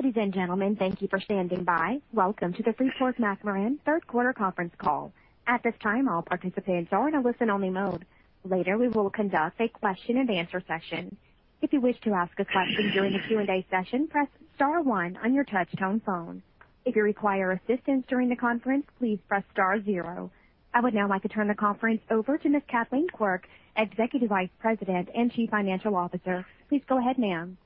Ladies and gentlemen, thank you for standing by. Welcome to the Freeport-McMoRan third quarter conference call. At this time, all participants are in a listen-only mode. Later, we will conduct a question and answer session. If you wish to ask a question during the Q&A session, press star one on your touch-tone phone. If you require assistance during the conference, please press star zero. I would now like to turn the conference over to Ms. Kathleen Quirk, Executive Vice President and Chief Financial Officer. Please go ahead, ma'am.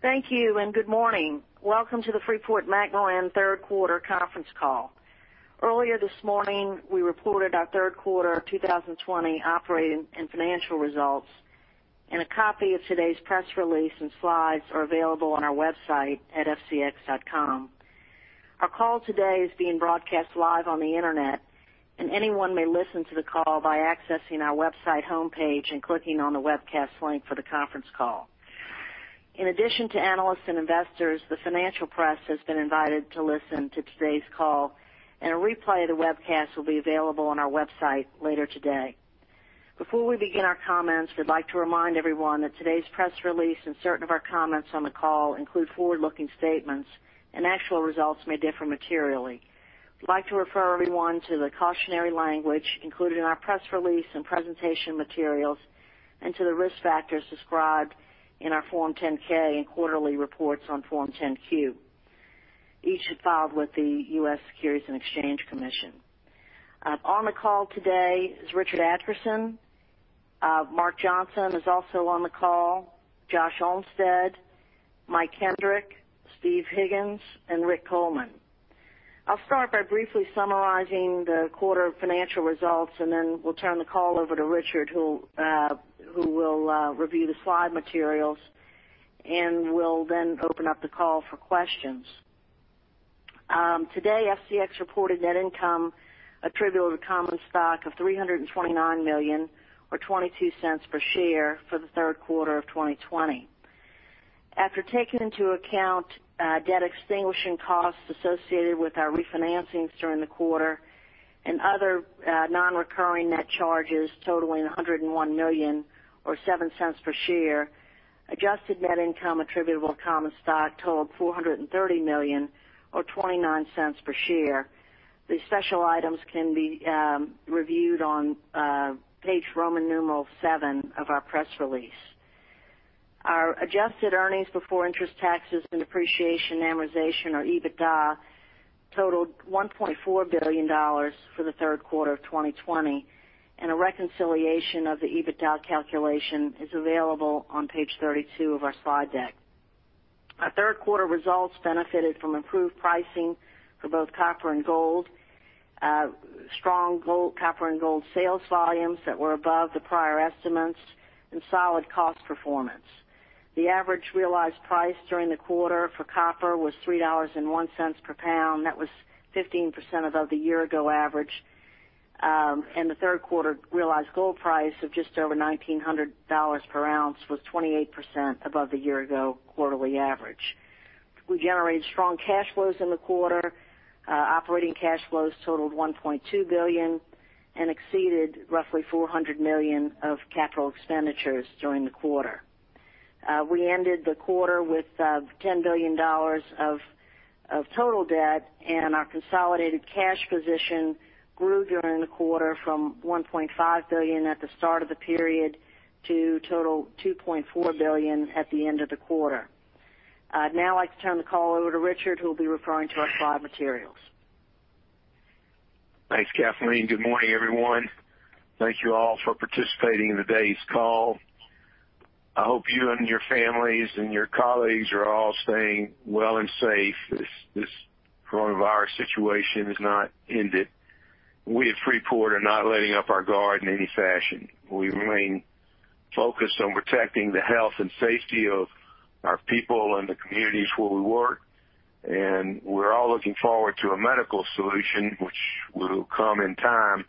Thank you. Good morning. Welcome to the Freeport-McMoRan third quarter conference call. Earlier this morning, we reported our third quarter 2020 operating and financial results. A copy of today's press release and slides are available on our website at fcx.com. Our call today is being broadcast live on the Internet. Anyone may listen to the call by accessing our website homepage and clicking on the webcast link for the conference call. In addition to analysts and investors, the financial press has been invited to listen to today's call. A replay of the webcast will be available on our website later today. Before we begin our comments, we'd like to remind everyone that today's press release and certain of our comments on the call include forward-looking statements. Actual results may differ materially. We'd like to refer everyone to the cautionary language included in our press release and presentation materials, and to the risk factors described in our Form 10-K and quarterly reports on Form 10-Q, each filed with the U.S. Securities and Exchange Commission. On the call today is Richard Adkerson. Mark Johnson is also on the call, Josh Olmsted, Mike Kendrick, Steve Higgins, and Rick Coleman. I'll start by briefly summarizing the quarter financial results, and then we'll turn the call over to Richard, who will review the slide materials, and we'll then open up the call for questions. Today, FCX reported net income attributable to common stock of $329 million or $0.22 per share for the third quarter of 2020. After taking into account debt extinguishing costs associated with our refinancings during the quarter and other non-recurring net charges totaling $101 million or $0.07 per share, adjusted net income attributable to common stock totaled $430 million or $0.29 per share. The special items can be reviewed on page Roman numeral seven of our press release. Our adjusted earnings before interest, taxes, and depreciation, amortization, or EBITDA, totaled $1.4 billion for the third quarter of 2020. A reconciliation of the EBITDA calculation is available on page 32 of our slide deck. Our third quarter results benefited from improved pricing for both copper and gold, strong copper and gold sales volumes that were above the prior estimates, and solid cost performance. The average realized price during the quarter for copper was $3.01 per pound. That was 15% above the year-ago average. The third quarter realized gold price of just over $1,900 per ounce was 28% above the year-ago quarterly average. We generated strong cash flows in the quarter. Operating cash flows totaled $1.2 billion and exceeded roughly $400 million of capital expenditures during the quarter. We ended the quarter with $10 billion of total debt, and our consolidated cash position grew during the quarter from $1.5 billion at the start of the period to a total of $2.4 billion at the end of the quarter. I'd now like to turn the call over to Richard, who will be referring to our slide materials. Thanks, Kathleen. Good morning, everyone. Thank you all for participating in today's call. I hope you and your families and your colleagues are all staying well and safe. This coronavirus situation is not ended. We at Freeport are not letting up our guard in any fashion. We remain focused on protecting the health and safety of our people and the communities where we work, and we're all looking forward to a medical solution, which will come in time.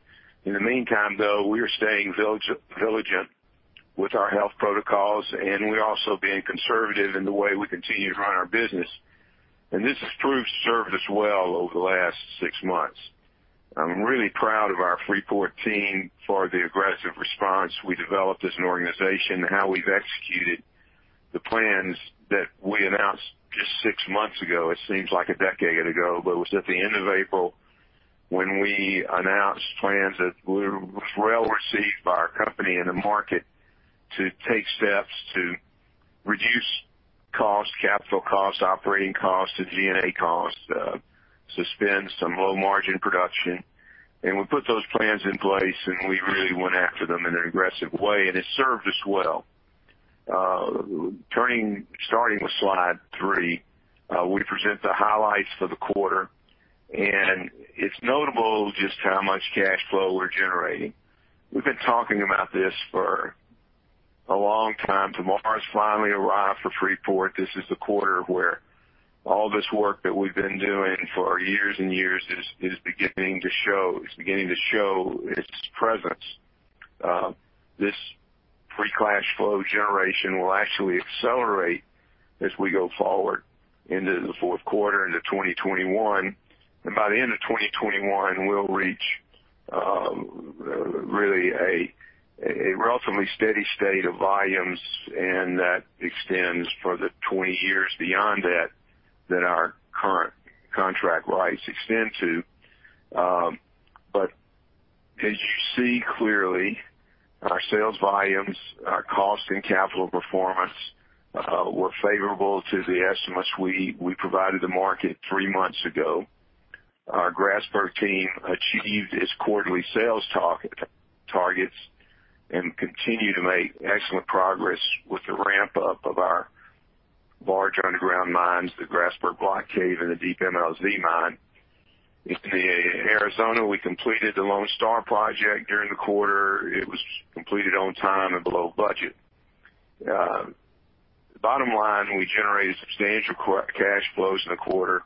In the meantime, though, we are staying vigilant with our health protocols, and we're also being conservative in the way we continue to run our business. This has proved to serve us well over the last six months. I'm really proud of our Freeport team for the aggressive response we developed as an organization and how we've executed the plans that we announced just six months ago. It seems like a decade ago, but it was at the end of April when we announced plans that were well received by our company and the market to take steps to reduce costs, capital costs, operating costs, and G&A costs, suspend some low-margin production. We put those plans in place, and we really went after them in an aggressive way, and it served us well. Starting with slide three, we present the highlights for the quarter, and it's notable just how much cash flow we're generating. We've been talking about this for a long time. Tomorrow has finally arrived for Freeport. This is the quarter where all this work that we've been doing for years and years is beginning to show. It's beginning to show its presence. This free cash flow generation will actually accelerate as we go forward into the fourth quarter, into 2021. By the end of 2021, we'll reach a relatively steady state of volumes, and that extends for the 20 years beyond that our current contract rights extend to. As you see clearly, our sales volumes, our cost and capital performance were favorable to the estimates we provided the market three months ago. Our Grasberg team achieved its quarterly sales targets and continue to make excellent progress with the ramp-up of our large underground mines, the Grasberg Block Cave and the Deep MLZ mine. In Arizona, we completed the Lone Star project during the quarter. It was completed on time and below budget. Bottom line, we generated substantial cash flows in the quarter,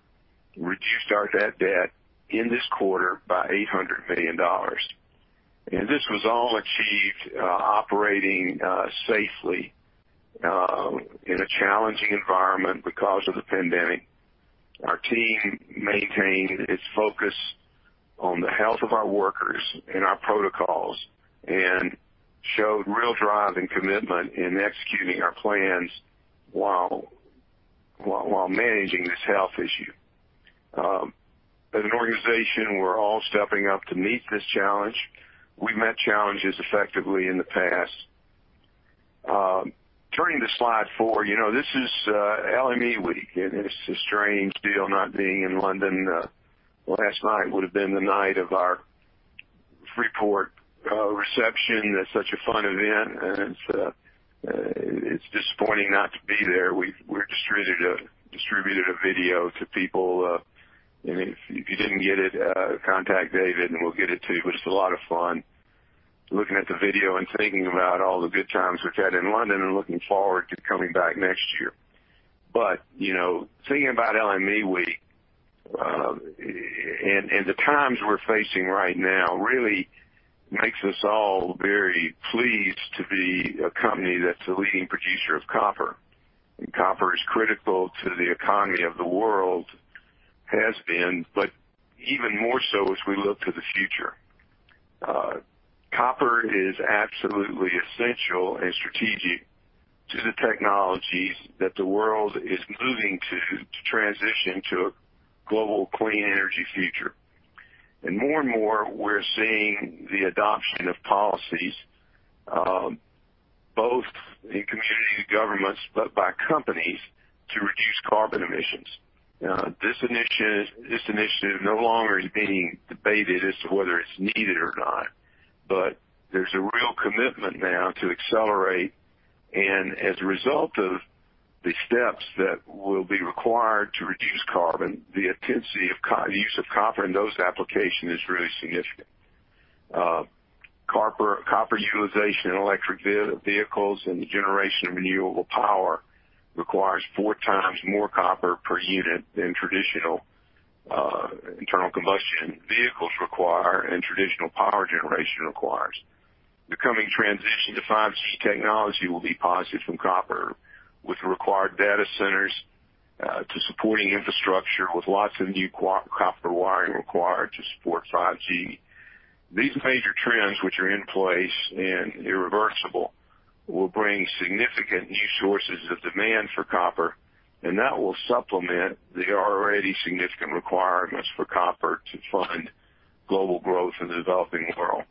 reduced our net debt in this quarter by $800 million. This was all achieved operating safely in a challenging environment because of the pandemic. Our team maintained its focus on the health of our workers and our protocols and showed real drive and commitment in executing our plans while managing this health issue. As an organization, we're all stepping up to meet this challenge. We've met challenges effectively in the past. Turning to slide four, this is LME Week, and it's a strange deal not being in London. Last night would've been the night of our Freeport reception. That's such a fun event, and it's disappointing not to be there. We distributed a video to people, and if you didn't get it, contact David, and we'll get it to you, but it's a lot of fun looking at the video and thinking about all the good times we've had in London and looking forward to coming back next year. Thinking about LME Week and the times we're facing right now really makes us all very pleased to be a company that's a leading producer of copper. Copper is critical to the economy of the world, has been, but even more so as we look to the future. Copper is absolutely essential and strategic to the technologies that the world is moving to transition to a global clean energy future. More and more, we're seeing the adoption of policies, both in community governments, but by companies to reduce carbon emissions. This initiative no longer is being debated as to whether it's needed or not, but there's a real commitment now to accelerate. As a result of the steps that will be required to reduce carbon, the intensity of use of copper in those application is really significant. Copper utilization in electric vehicles and the generation of renewable power requires four times more copper per unit than traditional internal combustion vehicles require and traditional power generation requires. The coming transition to 5G technology will be positive from copper with the required data centers, to supporting infrastructure with lots of new copper wiring required to support 5G. These major trends, which are in place and irreversible, will bring significant new sources of demand for copper. That will supplement the already significant requirements for copper to fund global growth in the developing world.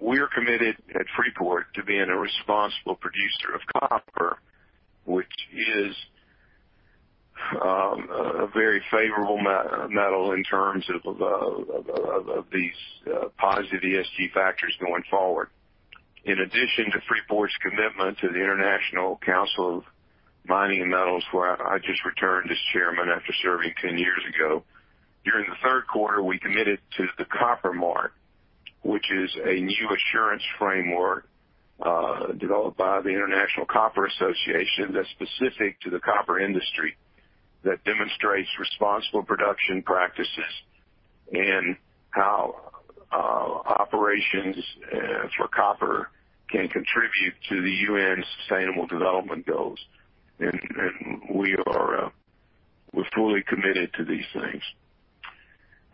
We're committed at Freeport to being a responsible producer of copper, which is a very favorable metal in terms of these positive ESG factors going forward. In addition to Freeport's commitment to the International Council on Mining and Metals, where I just returned as chairman after serving 10 years ago, during the third quarter, we committed to The Copper Mark, which is a new assurance framework developed by the International Copper Association that's specific to the copper industry that demonstrates responsible production practices and how operations for copper can contribute to the UN's sustainable development goals. We're fully committed to these things.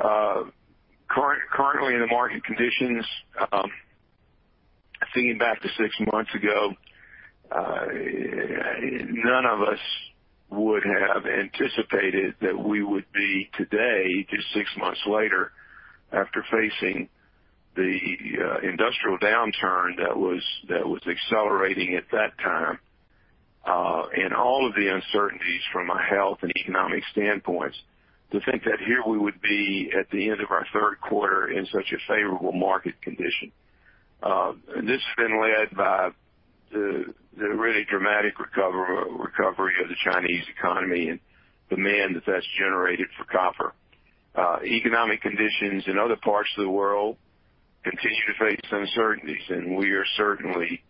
Currently in the market conditions, thinking back to six months ago, none of us would have anticipated that we would be today, just six months later, after facing the industrial downturn that was accelerating at that time, and all of the uncertainties from a health and economic standpoints, to think that here we would be at the end of our third quarter in such a favorable market condition. This has been led by the really dramatic recovery of the Chinese economy and demand that that's generated for copper. Economic conditions in other parts of the world continue to face uncertainties, and we are certainly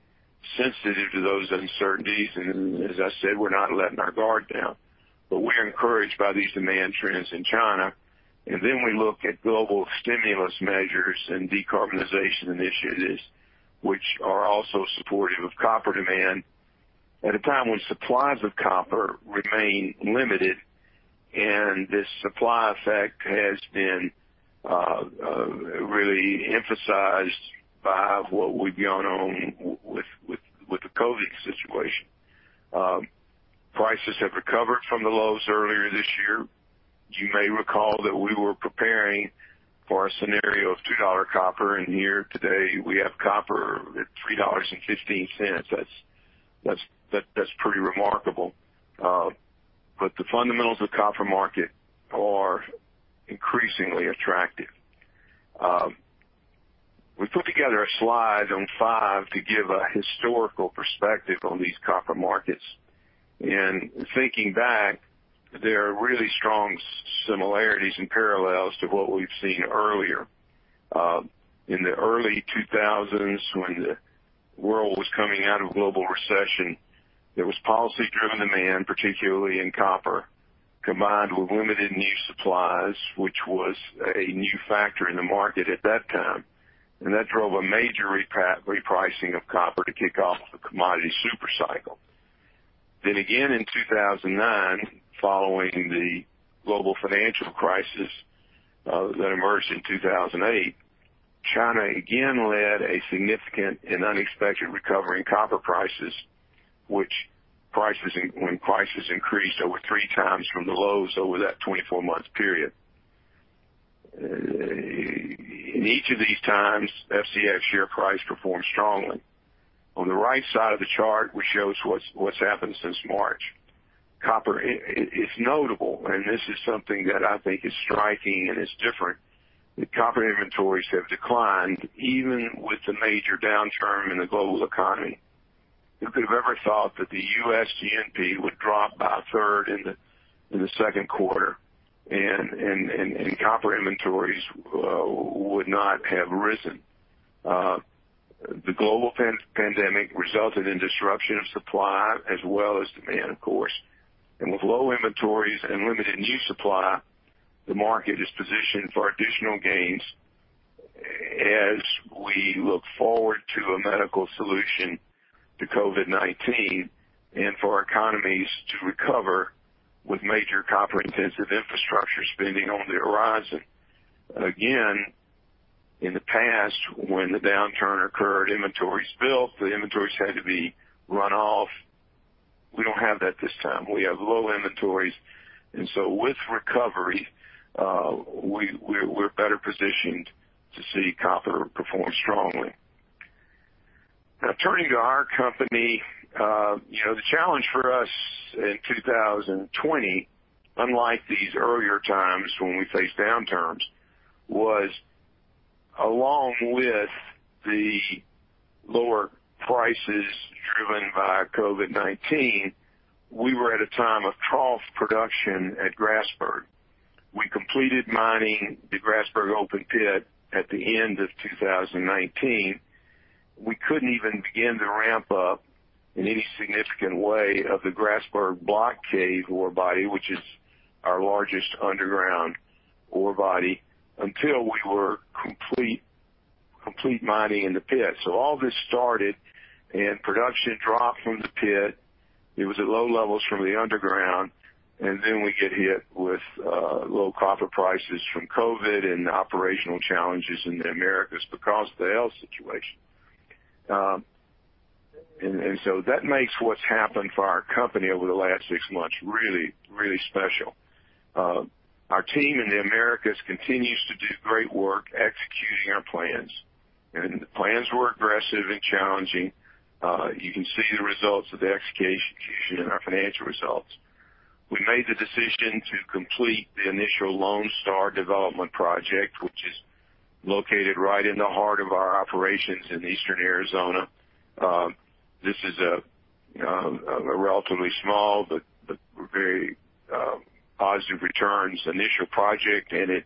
sensitive to those uncertainties. As I said, we're not letting our guard down. We're encouraged by these demand trends in China. We look at global stimulus measures and decarbonization initiatives, which are also supportive of copper demand. At a time when supplies of copper remain limited, and this supply effect has been really emphasized by what we've gone on with the COVID situation. Prices have recovered from the lows earlier this year. You may recall that we were preparing for a scenario of $2 copper, and here today we have copper at $3.15. That's pretty remarkable. The fundamentals of the copper market are increasingly attractive. We put together a slide on five to give a historical perspective on these copper markets. Thinking back, there are really strong similarities and parallels to what we've seen earlier. In the early 2000s, when the world was coming out of global recession, there was policy-driven demand, particularly in copper, combined with limited new supplies, which was a new factor in the market at that time. That drove a major repricing of copper to kick off the commodity super cycle. Again in 2009, following the global financial crisis that emerged in 2008, China again led a significant and unexpected recovery in copper prices, when prices increased over three times from the lows over that 24-month period. In each of these times, FCX share price performed strongly. On the right side of the chart, which shows what's happened since March, copper, it's notable, and this is something that I think is striking and is different, that copper inventories have declined even with the major downturn in the global economy. Who could have ever thought that the U.S. GNP would drop by a third in the second quarter, and copper inventories would not have risen? The global pandemic resulted in disruption of supply as well as demand, of course. With low inventories and limited new supply, the market is positioned for additional gains as we look forward to a medical solution to COVID-19 and for our economies to recover with major copper-intensive infrastructure spending on the horizon. Again, in the past, when the downturn occurred, inventories built, the inventories had to be run off. We don't have that this time. We have low inventories. With recovery, we're better positioned to see copper perform strongly. Turning to our company, the challenge for us in 2020, unlike these earlier times when we faced downturns, was along with the lower prices driven by COVID-19, we were at a time of trough production at Grasberg. We completed mining the Grasberg open pit at the end of 2019. We couldn't even begin to ramp up in any significant way of the Grasberg block cave ore body, which is our largest underground ore body, until we were complete mining in the pit. All this started and production dropped from the pit. It was at low levels from the underground, and then we get hit with low copper prices from COVID and operational challenges in the Americas because of the El situation. That makes what's happened for our company over the last six months really, really special. Our team in the Americas continues to do great work executing our plans. The plans were aggressive and challenging. You can see the results of the execution in our financial results. We made the decision to complete the initial Lone Star development project, which is located right in the heart of our operations in Eastern Arizona. This is a relatively small but very positive returns initial project. It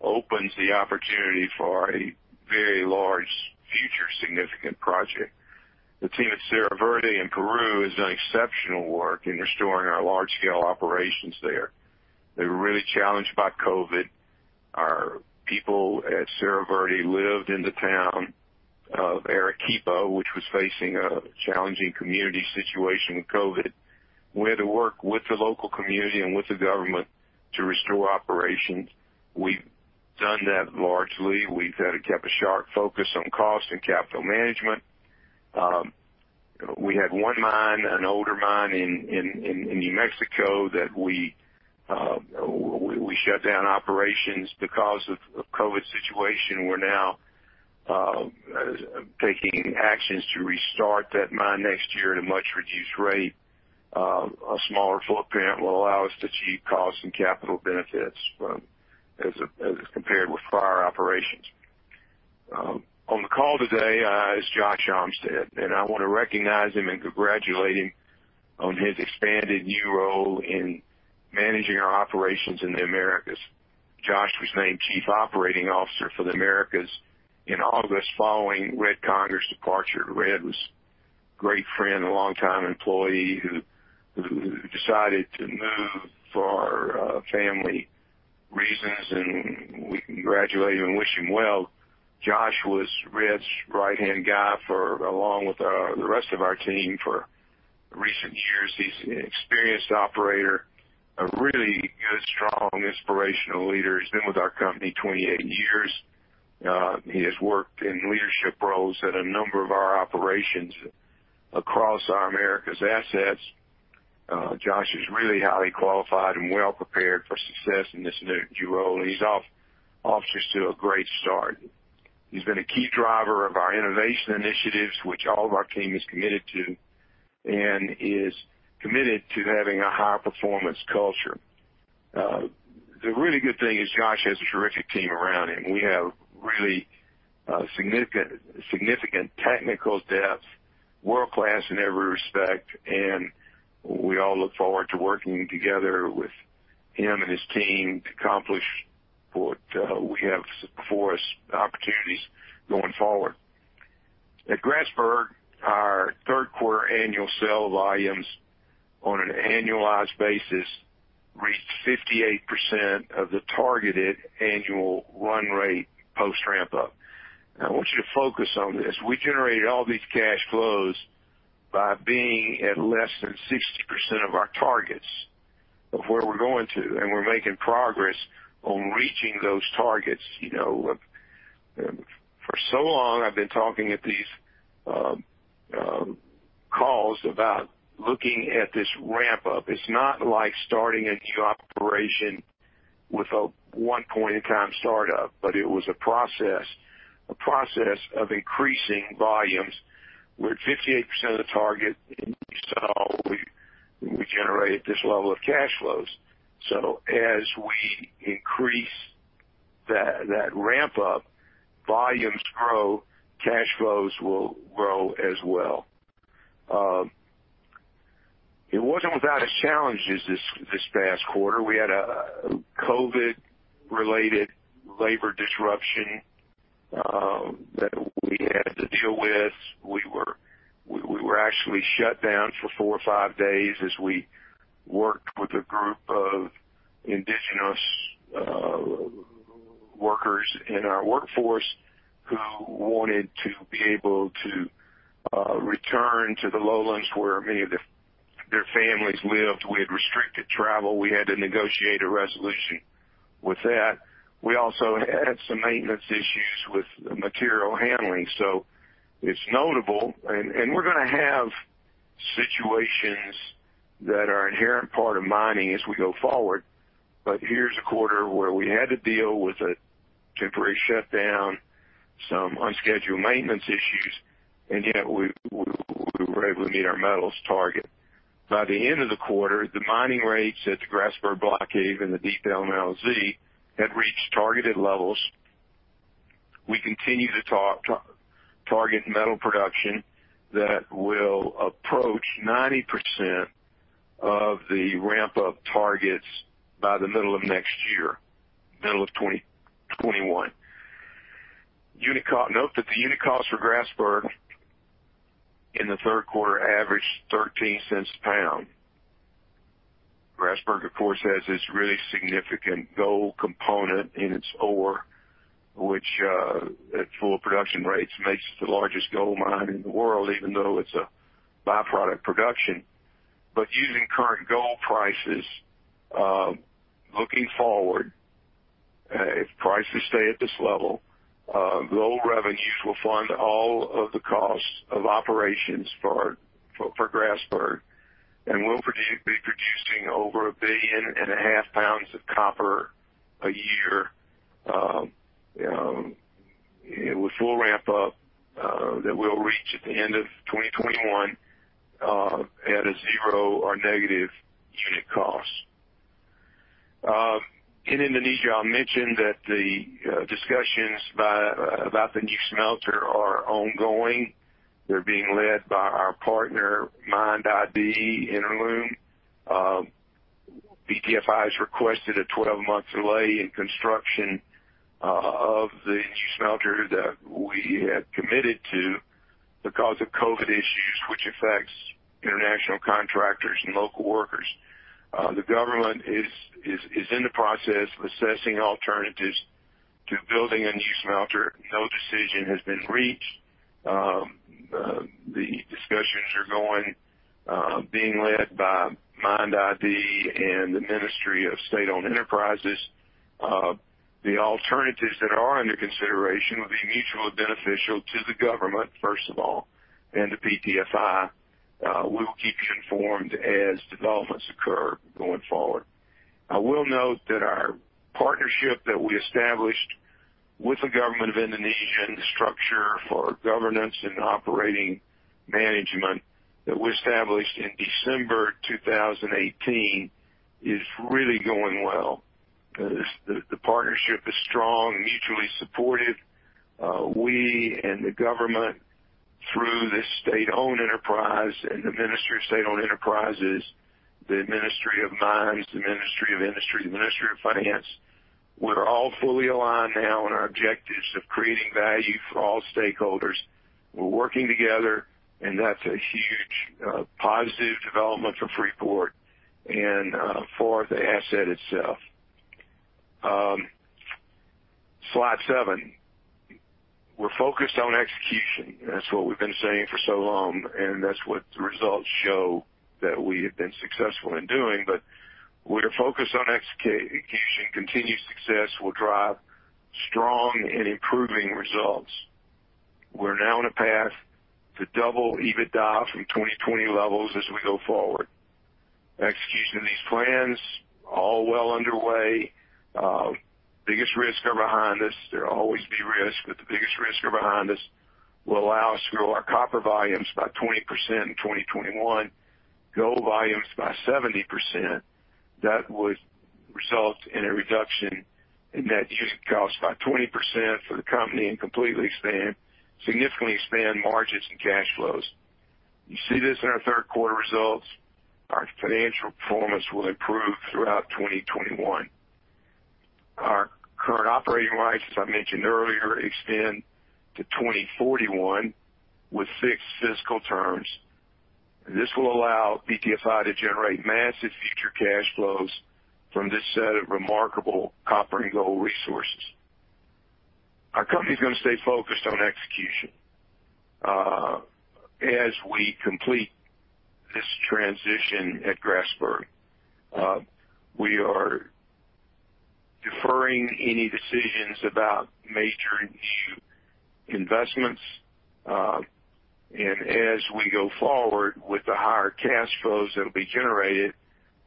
opens the opportunity for a very large future significant project. The team at Cerro Verde in Peru has done exceptional work in restoring our large-scale operations there. They were really challenged by COVID. Our people at Cerro Verde lived in the town of Arequipa, which was facing a challenging community situation with COVID. We had to work with the local community and with the government to restore operations. We've done that largely. We've had to keep a sharp focus on cost and capital management. We had one mine, an older mine in New Mexico that we shut down operations because of COVID situation. We're now taking actions to restart that mine next year at a much reduced rate. A smaller footprint will allow us to achieve cost and capital benefits as compared with prior operations. On the call today is Josh Olmsted, and I want to recognize him and congratulate him on his expanded new role in managing our operations in the Americas. Josh was named Chief Operating Officer for the Americas in August following Red Conger's departure. Red was a great friend and a longtime employee who decided to move for family reasons, and we congratulate him and wish him well. Josh was Red's right-hand guy for, along with the rest of our team for recent years. He's an experienced operator, a really good, strong, inspirational leader. He's been with our company 28 years. He has worked in leadership roles at a number of our operations across our Americas assets. Josh is really highly qualified and well prepared for success in this new role. He's off to a great start. He's been a key driver of our innovation initiatives, which all of our team is committed to, and is committed to having a high-performance culture. The really good thing is Josh has a terrific team around him. We have really significant technical depth, world-class in every respect. We all look forward to working together with him and his team to accomplish what we have before us, opportunities going forward. At Grasberg, our third quarter annual sale volumes on an annualized basis reached 58% of the targeted annual run rate post ramp-up. I want you to focus on this. We generated all these cash flows by being at less than 60% of our targets of where we're going to, and we're making progress on reaching those targets. For so long, I've been talking at these calls about looking at this ramp-up. It's not like starting a new operation with a one-point-in-time start-up, but it was a process. A process of increasing volumes. We're at 58% of the target, and we saw we generated this level of cash flows. As we increase that ramp-up, volumes grow, cash flows will grow as well. It wasn't without its challenges this past quarter. We had a COVID-related labor disruption that we had to deal with. We were actually shut down for four or five days as we worked with a group of indigenous workers in our workforce who wanted to be able to return to the lowlands where many of their families lived. We had restricted travel. We had to negotiate a resolution with that. We also had some maintenance issues with material handling. It's notable, and we're going to have situations that are an inherent part of mining as we go forward, but here's a quarter where we had to deal with a temporary shutdown, some unscheduled maintenance issues, and yet we were able to meet our metals target. By the end of the quarter, the mining rates at the Grasberg Block Cave and the Deep MLZ had reached targeted levels. We continue to target metal production that will approach 90% of the ramp-up targets by the middle of next year, middle of 2021. Note that the unit costs for Grasberg in the third quarter averaged $0.13 a pound. Grasberg, of course, has this really significant gold component in its ore, which, at full production rates, makes it the largest gold mine in the world, even though it's a by-product production. Using current gold prices, looking forward, if prices stay at this level, gold revenues will fund all of the costs of operations for Grasberg and will be producing over 1.5 billion pounds of copper a year with full ramp-up that we'll reach at the end of 2021 at a zero or negative unit cost. In Indonesia, I'll mention that the discussions about the new smelter are ongoing. They're being led by our partner, MIND ID, inalum PTFI has requested a 12-month delay in construction of the new smelter that we had committed to because of COVID issues, which affects international contractors and local workers. The government is in the process of assessing alternatives to building a new smelter. No decision has been reached. The discussions are going, being led by MIND ID and the Ministry of State-Owned Enterprises. The alternatives that are under consideration will be mutually beneficial to the government, first of all, and to PTFI. We will keep you informed as developments occur going forward. I will note that our partnership that we established with the government of Indonesia and the structure for governance and operating management that we established in December 2018 is really going well. The partnership is strong, mutually supported. We and the government, through this state-owned enterprise and the Ministry of State-Owned Enterprises, the Ministry of Mines, the Ministry of Industry, the Ministry of Finance, we're all fully aligned now on our objectives of creating value for all stakeholders. We're working together, and that's a huge positive development for Freeport and for the asset itself. Slide seven. We're focused on execution. That's what we've been saying for so long, and that's what the results show that we have been successful in doing. With a focus on execution, continued success will drive strong and improving results. We're now on a path to double EBITDA from 2020 levels as we go forward. Execution of these plans are all well underway. Biggest risks are behind us. There will always be risks, but the biggest risks are behind us, will allow us to grow our copper volumes by 20% in 2021, gold volumes by 70%. That would result in a reduction in net unit cost by 20% for the company and significantly expand margins and cash flows. You see this in our third quarter results. Our financial performance will improve throughout 2021. Our current operating lives, as I mentioned earlier, extend to 2041 with fixed fiscal terms. This will allow PTFI to generate massive future cash flows from this set of remarkable copper and gold resources. Our company's going to stay focused on execution as we complete this transition at Grasberg. We are deferring any decisions about major new investments. As we go forward with the higher cash flows that'll be generated,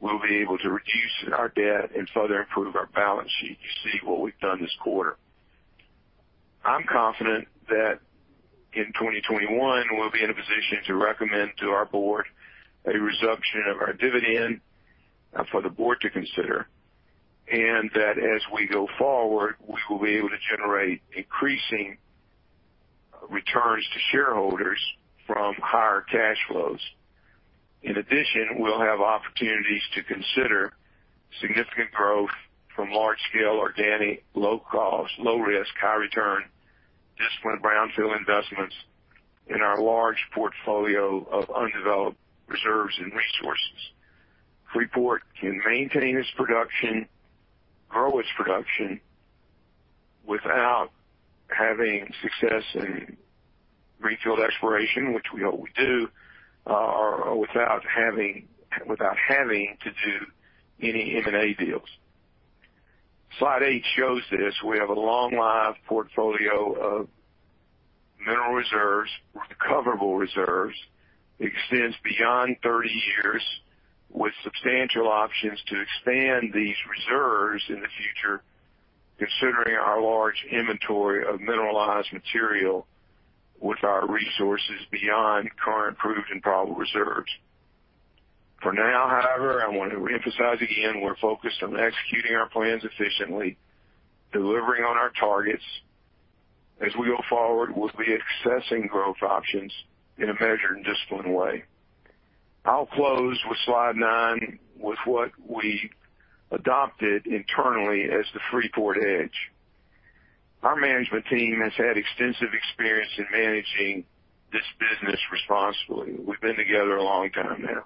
we'll be able to reduce our debt and further improve our balance sheet. You see what we've done this quarter. I'm confident that in 2021, we'll be in a position to recommend to our board a resumption of our dividend for the board to consider, and that as we go forward, we will be able to generate increasing returns to shareholders from higher cash flows. In addition, we'll have opportunities to consider significant growth from large-scale, organic, low-cost, low-risk, high-return, disciplined brownfield investments in our large portfolio of undeveloped reserves and resources. Freeport can maintain its production, grow its production without having success and refilled exploration, which we hope we do, or without having to do any M&A deals. Slide eight shows this. We have a long-life portfolio of mineral reserves. Recoverable reserves extends beyond 30 years with substantial options to expand these reserves in the future, considering our large inventory of mineralized material with our resources beyond current proved and probable reserves. For now, however, I want to emphasize again, we're focused on executing our plans efficiently, delivering on our targets. As we go forward, we'll be assessing growth options in a measured and disciplined way. I'll close with slide nine with what we adopted internally as the Freeport Edge. Our management team has had extensive experience in managing this business responsibly. We've been together a long time now.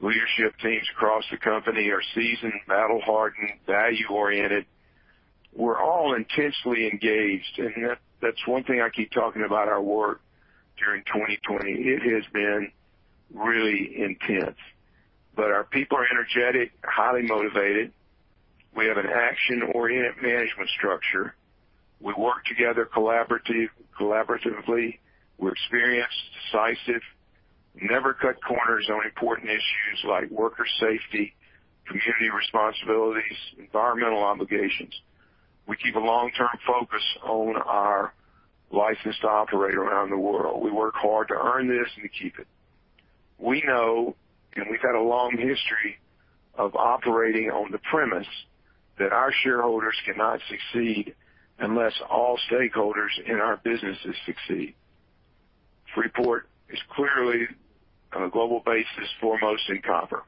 Leadership teams across the company are seasoned, battle-hardened, value-oriented. That's one thing I keep talking about our work during 2020. It has been really intense. Our people are energetic, highly motivated. We have an action-oriented management structure. We work together collaboratively. We're experienced, decisive. We never cut corners on important issues like worker safety, community responsibilities, environmental obligations. We keep a long-term focus on our license to operate around the world. We work hard to earn this and to keep it. We know, we've got a long history of operating on the premise that our shareholders cannot succeed unless all stakeholders in our businesses succeed. Freeport is clearly on a global basis, foremost in copper.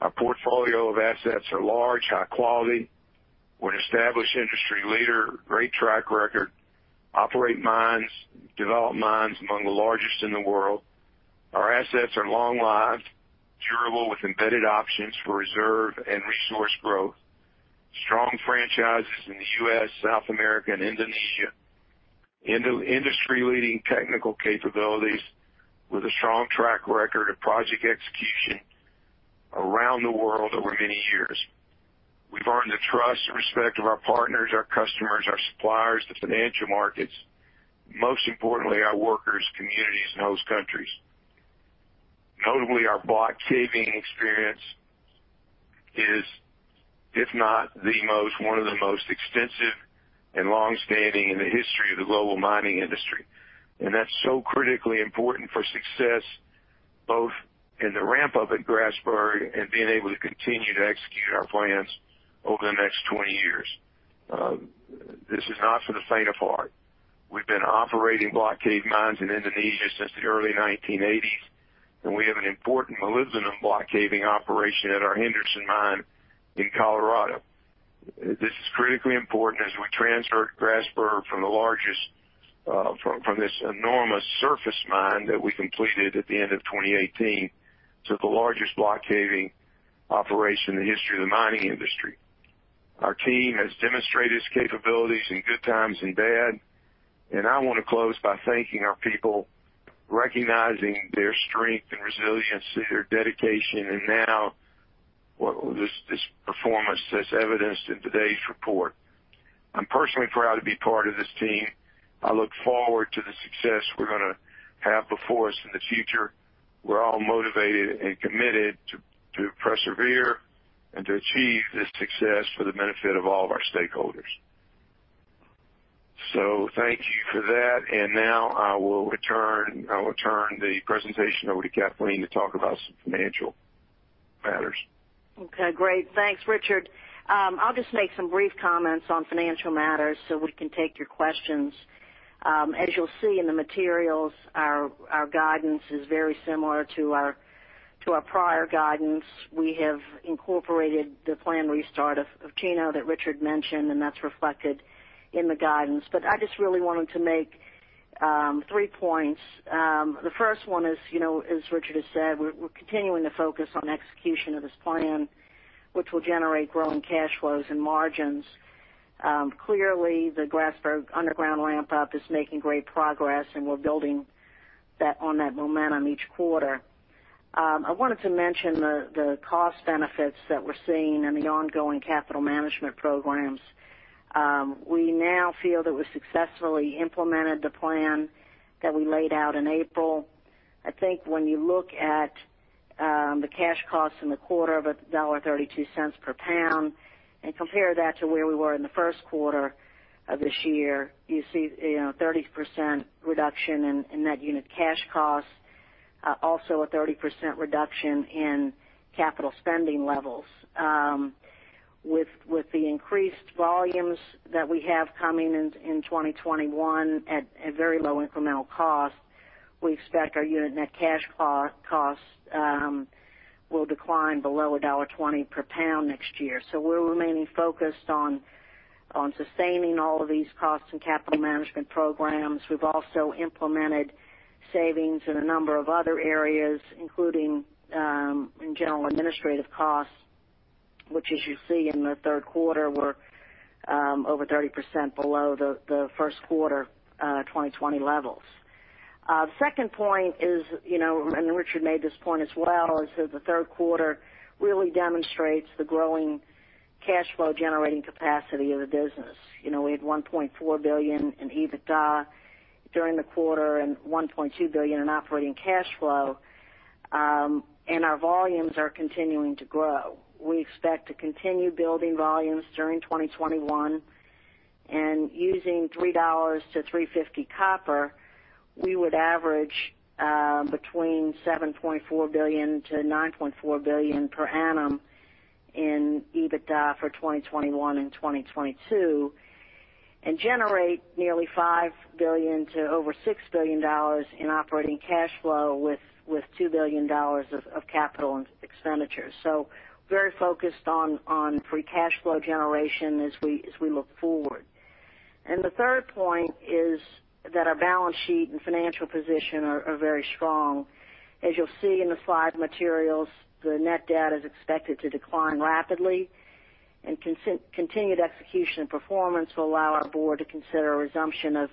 Our portfolio of assets are large, high quality. We're an established industry leader, great track record, operate mines, develop mines among the largest in the world. Our assets are long-lived, durable with embedded options for reserve and resource growth. Strong franchises in the U.S., South America, and Indonesia. Industry-leading technical capabilities with a strong track record of project execution around the world over many years. We've earned the trust and respect of our partners, our customers, our suppliers, the financial markets, most importantly, our workers, communities in host countries. Notably, our block caving experience is, if not the most, one of the most extensive and long-standing in the history of the global mining industry. That's so critically important for success, both in the ramp-up at Grasberg and being able to continue to execute our plans over the next 20 years. This is not for the faint of heart. We've been operating Block Cave Mines in Indonesia since the early 1980s, and we have an important molybdenum block caving operation at our Henderson mine in Colorado. This is critically important as we transfer Grasberg from this enormous surface mine that we completed at the end of 2018 to the largest block caving operation in the history of the mining industry. Our team has demonstrated its capabilities in good times and bad, and I want to close by thanking our people, recognizing their strength and resiliency, their dedication, and now this performance that's evidenced in today's report. I'm personally proud to be part of this team. I look forward to the success we're going to have before us in the future. We're all motivated and committed to persevere and to achieve this success for the benefit of all of our stakeholders. Thank you for that, and now I will turn the presentation over to Kathleen to talk about some financial matters. Okay, great. Thanks, Richard. I'll just make some brief comments on financial matters so we can take your questions. As you'll see in the materials, our guidance is very similar to our prior guidance. We have incorporated the planned restart of Chino that Richard mentioned, and that's reflected in the guidance. I just really wanted to make three points. The first one is, as Richard has said, we're continuing to focus on execution of this plan, which will generate growing cash flows and margins. Clearly, the Grasberg underground ramp-up is making great progress, and we're building on that momentum each quarter. I wanted to mention the cost benefits that we're seeing in the ongoing capital management programs. We now feel that we successfully implemented the plan that we laid out in April. I think when you look at the cash costs in the quarter of $1.32 per pound and compare that to where we were in the first quarter of this year, you see a 30% reduction in net unit cash costs. Also a 30% reduction in capital spending levels. With the increased volumes that we have coming in in 2021 at very low incremental cost, we expect our unit net cash costs will decline below $1.20 per pound next year. We're remaining focused on sustaining all of these costs and capital management programs. We've also implemented savings in a number of other areas, including in general administrative costs, which, as you see in the third quarter, were over 30% below the first quarter 2020 levels. Second point is, Richard made this point as well, is that the third quarter really demonstrates the growing cash flow generating capacity of the business. We had $1.4 billion in EBITDA during the quarter and $1.2 billion in operating cash flow. Our volumes are continuing to grow. We expect to continue building volumes during 2021 and using $3-$3.50 copper, we would average between $7.4 billion-$9.4 billion per annum in EBITDA for 2021 and 2022 and generate nearly $5 billion to over $6 billion in operating cash flow with $2 billion of capital expenditures. Very focused on free cash flow generation as we look forward. The third point is that our balance sheet and financial position are very strong. As you'll see in the slide materials, the net debt is expected to decline rapidly and continued execution and performance will allow our board to consider a resumption of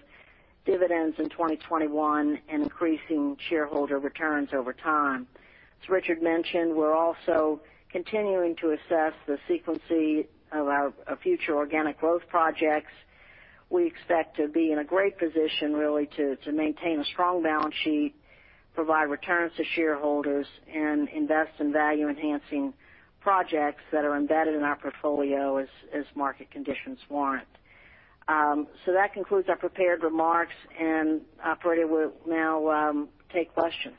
dividends in 2021 and increasing shareholder returns over time. As Richard mentioned, we're also continuing to assess the sequence of our future organic growth projects. We expect to be in a great position, really, to maintain a strong balance sheet, provide returns to shareholders, and invest in value-enhancing projects that are embedded in our portfolio as market conditions warrant. That concludes our prepared remarks, and operator, we'll now take questions.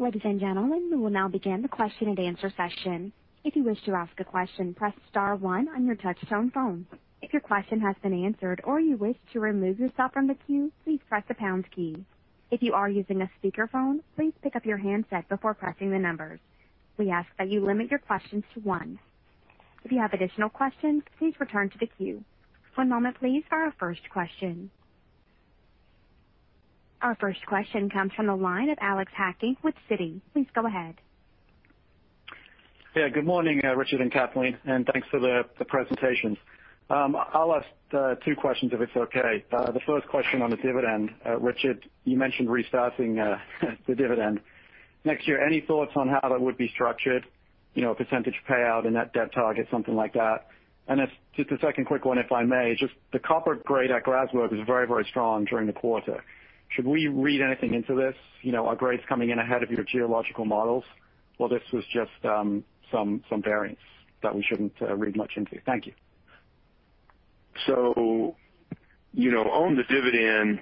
Ladies and gentlemen, we will now begin the question and answer session. If you wish to ask a question, press star one on your touchtone phone. If your question has been answered or you wish to remove yourself from the queue, please press the pound key. If you are using a speakerphone, please pick up your handset before pressing the number. We ask that you limit your question to one. If you have additional question, please return to the queue. One moment, please, for our first question. Our first question comes from the line of Alex Hacking with Citi. Please go ahead. Yeah, good morning, Richard and Kathleen. Thanks for the presentation. I'll ask two questions if it's okay. The first question on the dividend. Richard, you mentioned restarting the dividend next year. Any thoughts on how that would be structured? A percentage payout, a net debt target, something like that? Just a second quick one, if I may. Just the copper grade at Grasberg was very strong during the quarter. Should we read anything into this? Are grades coming in ahead of your geological models? This was just some variance that we shouldn't read much into? Thank you. On the dividend,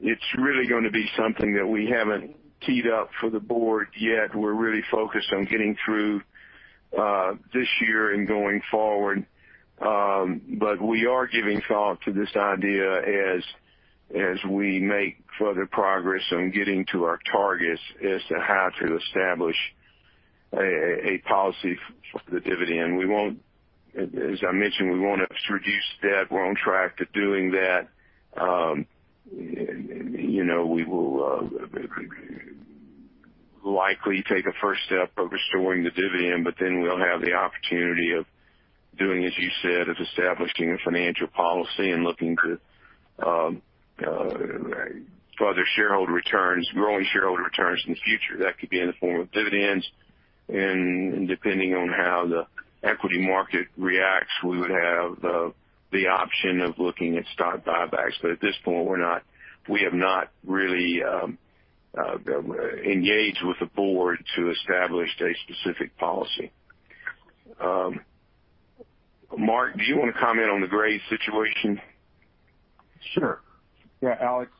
it's really going to be something that we haven't teed up for the board yet. We're really focused on getting through this year and going forward. We are giving thought to this idea as we make further progress on getting to our targets as to how to establish a policy for the dividend. As I mentioned, we want to reduce debt. We're on track to doing that. We will likely take a first step of restoring the dividend, but then we'll have the opportunity of doing, as you said, of establishing a financial policy and looking to further shareholder returns, growing shareholder returns in the future. That could be in the form of dividends, and depending on how the equity market reacts, we would have the option of looking at stock buybacks. At this point, we have not really engaged with the board to establish a specific policy. Mark, do you want to comment on the grade situation? Sure, Alex.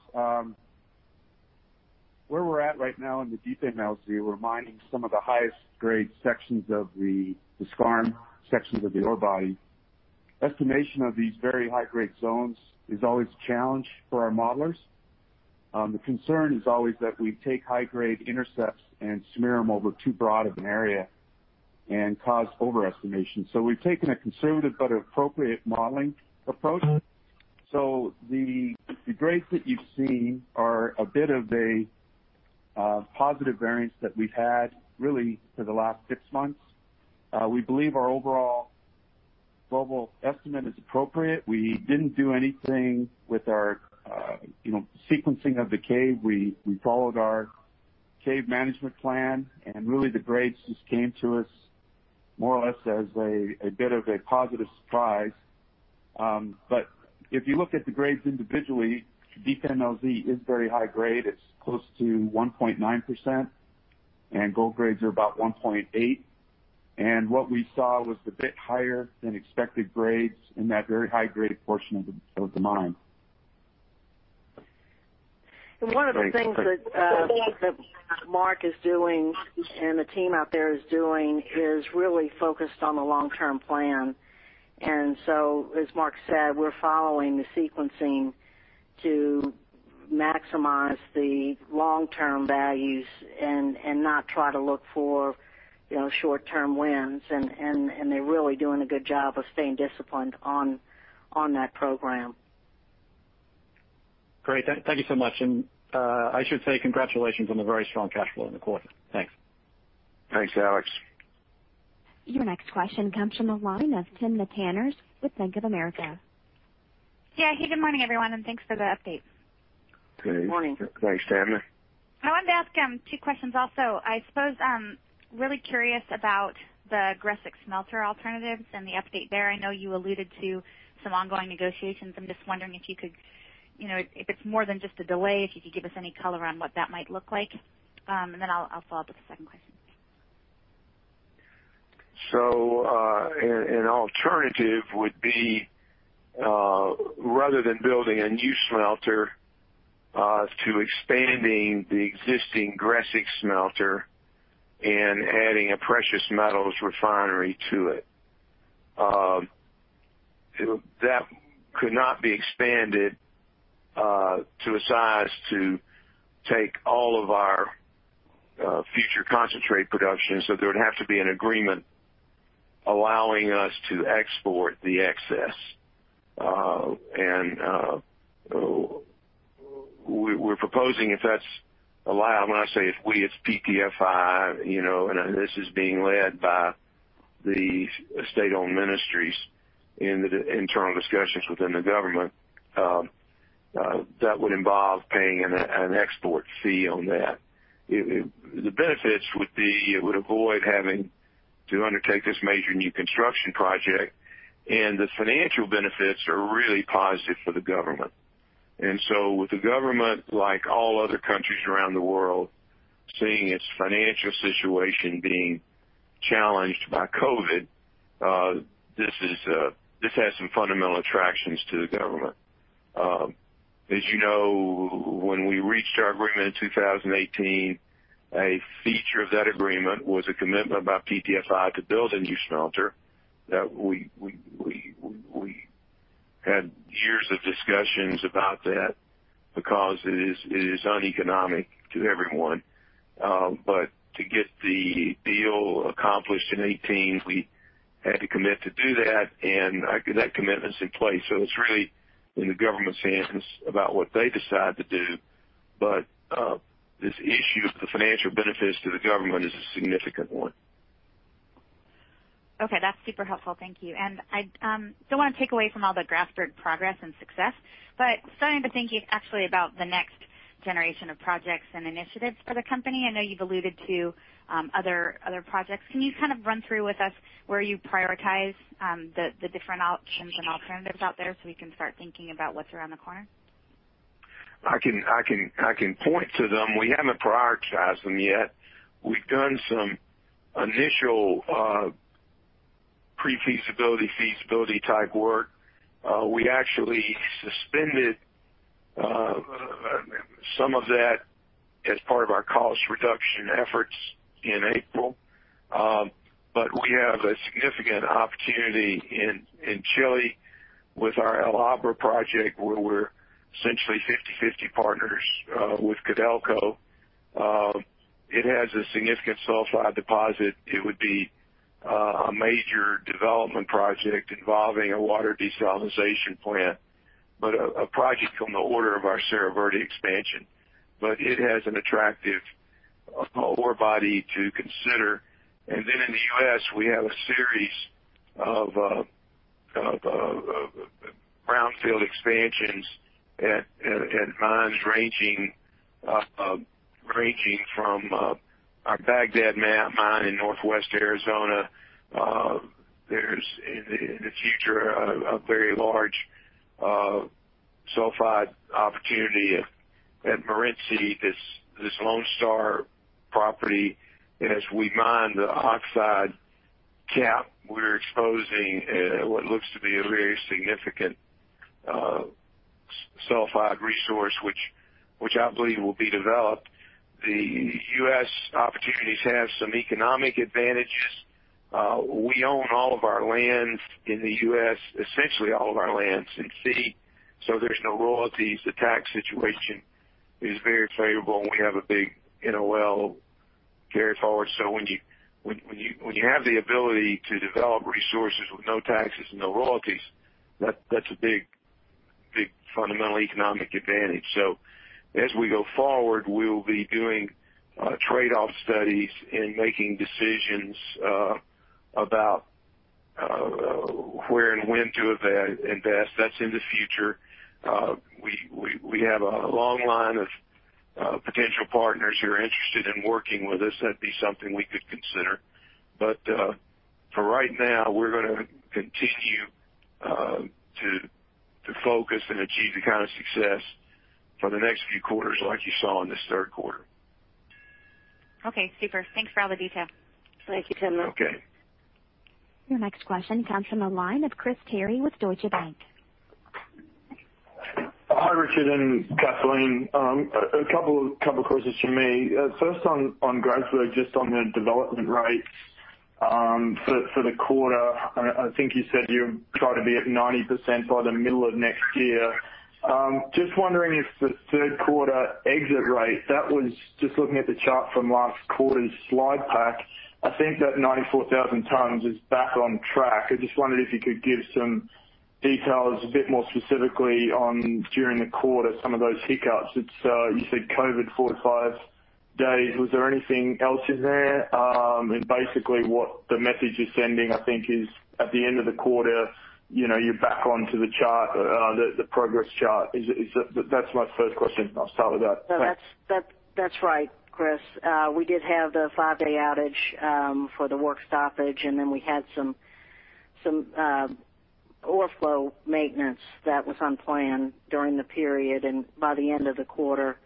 Where we're at right now in the Deep MLZ, we're mining some of the highest-grade sections of the skarn sections of the ore body. Estimation of these very high-grade zones is always a challenge for our modelers. The concern is always that we take high-grade intercepts and smear them over too broad of an area and cause overestimation. We've taken a conservative but appropriate modeling approach. The grades that you've seen are a bit of a positive variance that we've had really for the last six months. We believe our overall global estimate is appropriate. We didn't do anything with our sequencing of the cave. We followed our cave management plan, and really the grades just came to us more or less as a bit of a positive surprise. If you look at the grades individually, Deep MLZ is very high grade. It's close to 1.9%, and gold grades are about 1.8%. What we saw was the bit higher than expected grades in that very high-grade portion of the mine. One of the things that Mark is doing and the team out there is doing is really focused on the long-term plan. So, as Mark said, we're following the sequencing to maximize the long-term values and not try to look for short-term wins. They're really doing a good job of staying disciplined on that program. Great. Thank you so much. I should say congratulations on the very strong cash flow in the quarter. Thanks. Thanks, Alex. Your next question comes from the line of Timna Tanners with Bank of America. Yeah. Good morning, everyone, and thanks for the update. Good morning. Thanks, Timna. I wanted to ask two questions also. I suppose I'm really curious about the Gresik smelter alternatives and the update there. I know you alluded to some ongoing negotiations. I'm just wondering if it's more than just a delay, if you could give us any color on what that might look like. Then I'll follow up with a second question. An alternative would be, rather than building a new smelter, to expanding the existing Gresik smelter and adding a precious metals refinery to it. That could not be expanded to a size to take all of our future concentrate production, so there would have to be an agreement allowing us to export the excess. We're proposing, if that's allowed, when I say if we, it's PTFI, and this is being led by the state-owned ministries in the internal discussions within the government, that would involve paying an export fee on that. The benefits would be it would avoid having to undertake this major new construction project, and the financial benefits are really positive for the government. With the government, like all other countries around the world, seeing its financial situation being challenged by COVID, this has some fundamental attractions to the government. As you know, when we reached our agreement in 2018, a feature of that agreement was a commitment by PTFI to build a new smelter. We had years of discussions about that because it is uneconomic to everyone. To get the deal accomplished in 2018, we had to commit to do that, and that commitment's in place. It's really in the government's hands about what they decide to do. This issue of the financial benefits to the government is a significant one. Okay. That's super helpful. Thank you. I don't want to take away from all the Grasberg progress and success, but starting to think actually about the next generation of projects and initiatives for the company. I know you've alluded to other projects. Can you kind of run through with us where you prioritize the different options and alternatives out there so we can start thinking about what's around the corner? I can point to them. We haven't prioritized them yet. We've done some initial pre-feasibility, feasibility type work. We actually suspended some of that as part of our cost reduction efforts in April. We have a significant opportunity in Chile with our El Abra project, where we're essentially 50/50 partners with Codelco. It has a significant sulfide deposit. It would be a major development project involving a water desalination plant, a project on the order of our Cerro Verde expansion. It has an attractive ore body to consider. In the U.S., we have a series of brownfield expansions at mines ranging from our Bagdad mine in northwest Arizona. There's, in the future, a very large sulfide opportunity at Morenci, this Lone Star property, as we mine the oxide cap, we're exposing what looks to be a very significant sulfide resource, which I believe will be developed. The U.S. opportunities have some economic advantages. We own all of our lands in the U.S., essentially all of our lands in fee. There's no royalties. The tax situation is very favorable, and we have a big NOL carry-forward. When you have the ability to develop resources with no taxes and no royalties, that's a big fundamental economic advantage. As we go forward, we will be doing trade-off studies and making decisions about where and when to invest. That's in the future. We have a long line of potential partners who are interested in working with us. That'd be something we could consider. For right now, we're going to continue to focus and achieve the kind of success for the next few quarters like you saw in this third quarter. Okay, super. Thanks for all the detail. Thank you, Timna. Okay. Your next question comes from the line of Chris Terry with Deutsche Bank. Hi, Richard and Kathleen. A couple of questions from me. First on Grasberg, just on the development rates for the quarter, I think you said you try to be at 90% by the middle of next year. Just wondering if the third quarter exit rate, that was just looking at the chart from last quarter's slide pack, I think that 94,000 tons is back on track. I just wondered if you could give some details a bit more specifically on, during the quarter, some of those hiccups. You said COVID, four to five days. Was there anything else in there? Basically what the message is sending, I think is at the end of the quarter, you're back onto the chart, the progress chart. That's my first question. I'll start with that. That's right, Chris. We did have the five-day outage for the work stoppage, and then we had some overflow maintenance that was unplanned during the period, and by the end of the quarter,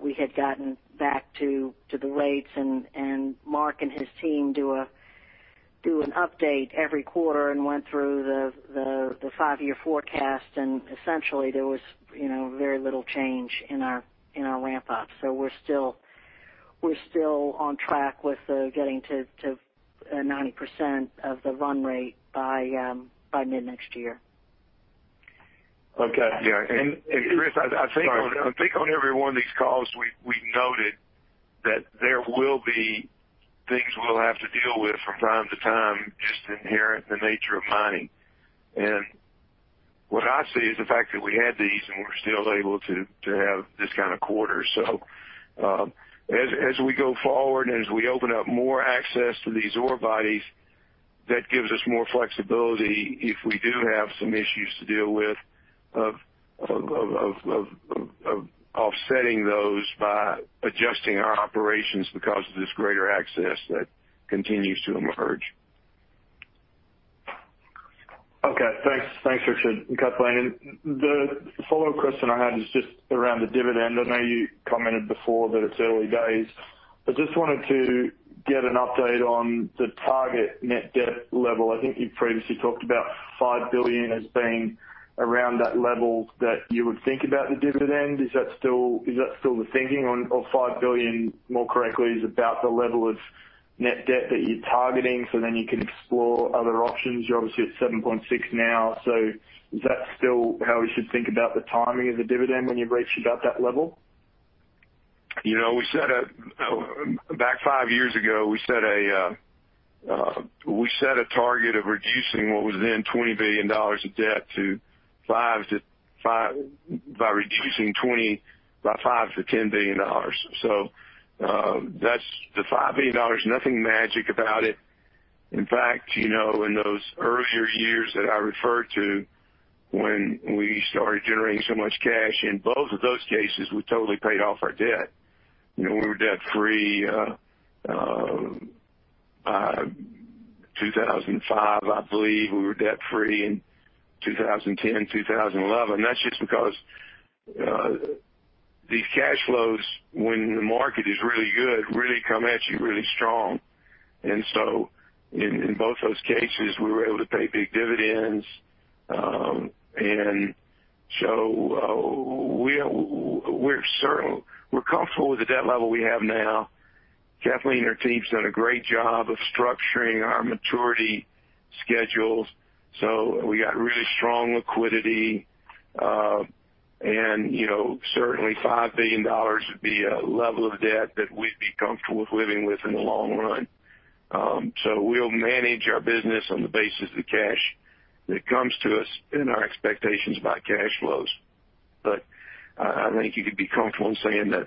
we had gotten back to the rates and Mark and his team do an update every quarter and went through the five-year forecast and essentially there was very little change in our ramp-up. We're still on track with getting to 90% of the run rate by mid-next year. Okay. Yeah. Chris, I think on every one of these calls, we noted that there will be things we'll have to deal with from time to time, just inherent in the nature of mining. What I see is the fact that we had these and we're still able to have this kind of quarter. As we go forward and as we open up more access to these ore bodies, that gives us more flexibility if we do have some issues to deal with of offsetting those by adjusting our operations because of this greater access that continues to emerge. Okay. Thanks, Richard and Kathleen. The follow-up question I had is just around the dividend. I know you commented before that it's early days. I just wanted to get an update on the target net debt level. I think you previously talked about $5 billion as being around that level that you would think about the dividend. Is that still the thinking on, or $5 billion more correctly is about the level of net debt that you're targeting so then you can explore other options? You're obviously at $7.6 billion now, is that still how we should think about the timing of the dividend when you've reached about that level? Back five years ago, we set a target of reducing what was then $20 billion of debt by reducing $20 billion by $5 billion-$10 billion. That's the $5 billion, nothing magic about it. In fact, in those earlier years that I referred to when we started generating so much cash, in both of those cases, we totally paid off our debt. We were debt-free 2005, I believe. We were debt-free in 2010, 2011. That's just because these cash flows, when the market is really good, really come at you really strong. In both those cases, we were able to pay big dividends. We're comfortable with the debt level we have now. Kathleen and her team have done a great job of structuring our maturity schedules. We got really strong liquidity. Certainly $5 billion would be a level of debt that we'd be comfortable with living with in the long run. We'll manage our business on the basis of the cash that comes to us and our expectations about cash flows. I think you could be comfortable in saying that